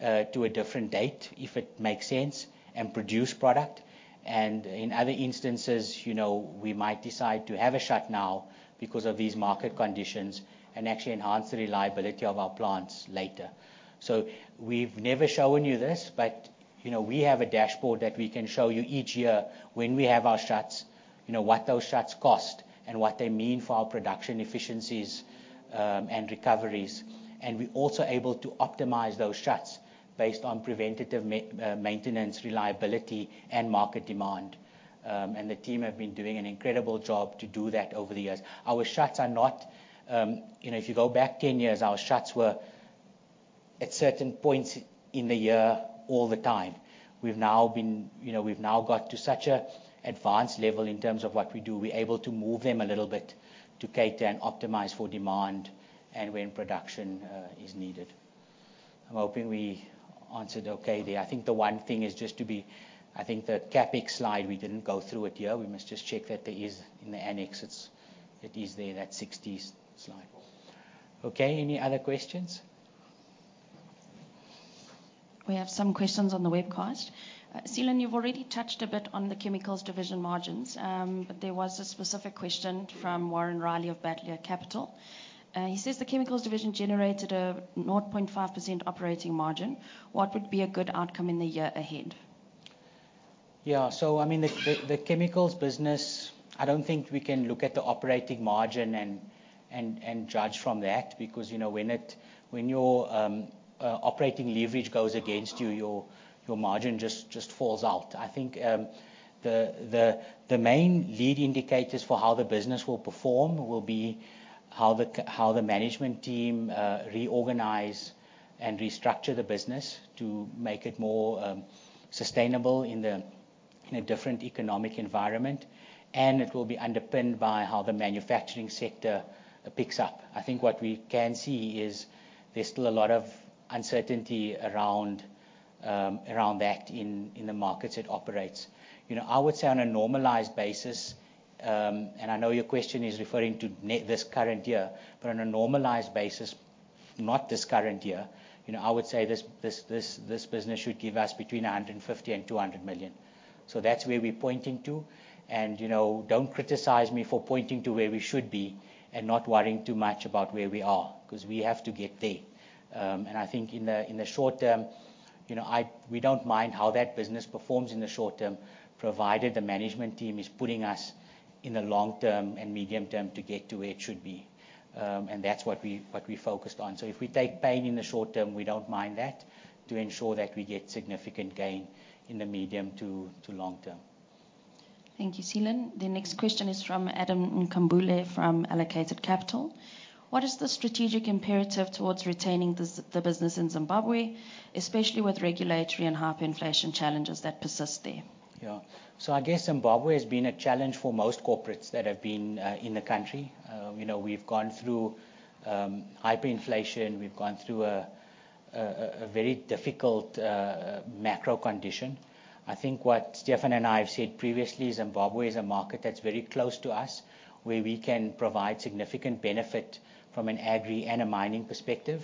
to a different date if it makes sense and produce product. In other instances, you know, we might decide to have a shut now because of these market conditions and actually enhance the reliability of our plants later. So we've never shown you this but you know, we have a dashboard that we can show you each year when we have our shuts, you know, what those shuts cost and what they mean for our production efficiencies and recoveries. We also able to optimize those shuts based on preventative maintenance, reliability and market demand. The team have been doing an incredible job to do that over the years. Our shuts are not, you know, if you go back 10 years, our v were at certain points in the year all the time. We've now been, you know, we've now got to such an advanced level in terms of what we do. We're able to move them a little bit to cater and optimize for demand and when production is needed. I'm hoping we answered okay there. I think the one thing is just to be, I think the CapEx slide, we didn't go through it here. We must just check that there is in the annex. It is there, that 60s slide. Okay. Any other questions? We have some questions on the webcast. Seelan, you've already touched a bit on the chemicals division margins, but. There was a specific question from Warren Riley of Bateleur Capital. He says the chemicals division generated a 0.5% operating margin. What would be a good outcome in the year ahead? Yeah, so I mean the chemicals business, I don't think we can look at the operating margin and judge from that because you know, when your operating leverage goes against you, your margin just falls out. I think the main lead indicators for how the business will perform will be how the management team reorganize and restructure the business to make it more sustainable in a different economic environment. And it will be underpinned by how the manufacturing sector picks up. I think what we can see is there's still a lot of uncertainty around that in the markets it operates. You know, I would say on a normalized basis, and I know your question is referring to this current year, but on a normalized basis, not this current year. You know, I would say this business should give us between 150 million and 200 million. So that's where we pointing to. And you know, don't criticize me for pointing to where we should be and not worrying too much about where we are because we have to get there. And I think in the short term we don't mind how that business performs in the short term, provided the management team is putting us in the long term and medium term to get to where it should be. And that's what we focused on. So if we take pain in the short term, we don't mind that to ensure that we get significant gain in the medium to long term. Thank you, Seelan. The next question is from Adam Nkambule from Allocated Capital. What is the strategic imperative towards retaining the business in Zimbabwe, especially with regulatory and hyperinflation challenges that persist there. So I guess Zimbabwe has been a challenge for most corporates that have been in the country. You know, we've gone through hyperinflation. We've gone through a very difficult, difficult macro condition. I think what Stephan and I have said previously, Zimbabwe is a market that's very close to us where we can provide significant benefit from an agri and a mining perspective.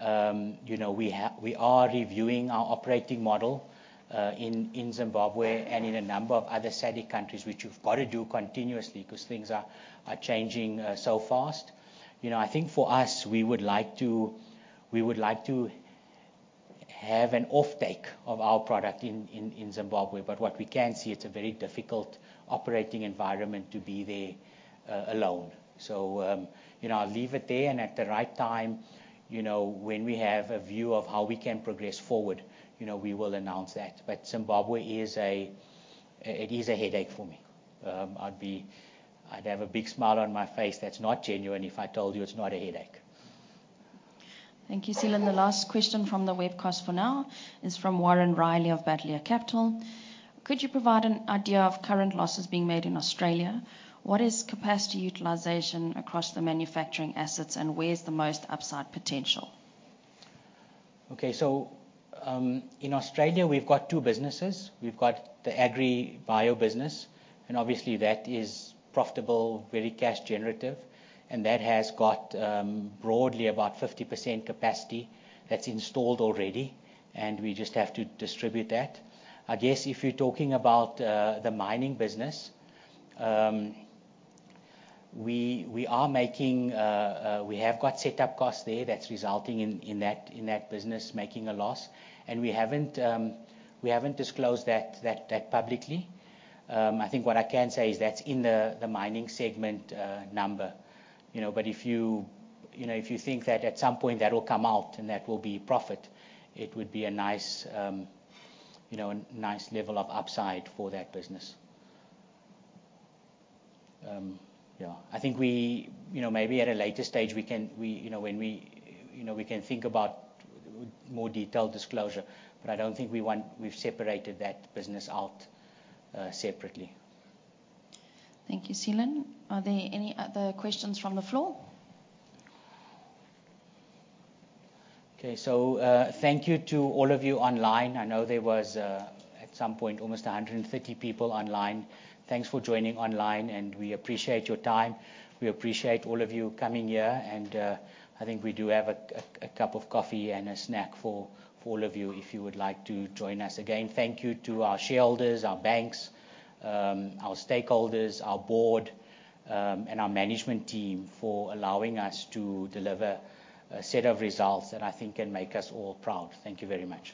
You know, we have, we are reviewing our operating model in Zimbabwe and in a number of other SADC countries, which you've got to do continuously because things are changing so fast. You know, I think for us, we, we would like to have an offtake of our product in Zimbabwe. But what we can see, it's a very difficult operating environment to be there alone. So, you know, I'll leave it there and at the right time, you know, when we have a view of how we can progress forward, you know, we will announce that. But Zimbabwe is a, it is a headache for me. I'd be, I'd have a big smile on my face. That's not genuine if I told you it's not a headache. Thank you. Seelan. The last question from the webcast for now is from Warren Riley of Bateleur Capital. Could you provide an idea of current losses being made in Australia? What is capacity utilization across the manufacturing assets and where is the most upside potential? Okay, so in Australia we've got two businesses. We've got the AgriBio business and obviously that is profitable, very cash generative and that has got broadly about 50% capacity that's installed already and we just have to distribute that. I guess if you're talking about the mining business, we are making, we have got setup costs there that's resulting in that, in that business making a loss. And we haven't, we haven't disclosed that publicly. I think what I can say is that's in the mining segment number, you know, but if you, you know, if you think that at some point that will come out and that will be profit, it would be a nice, you know, a nice level of upside for that business. Yeah, I think we, you know, maybe at a later stage we can think about more detailed disclosure, but I don't think we want. We've separated that business out separately. Thank you, Seelan. Are there any other questions from the floor? Okay, so thank you to all of you online. I know there was at some point almost 130 people online. Thanks for joining online and we appreciate your time. We appreciate all of you coming here and I think we do have a cup of coffee and a snack for all of you if you would like to join us again. Thank you to our shareholders, our banks, our stakeholders, our board and our management team for allowing us to deliver a set of results that I think can make us all proud. Thank you very much.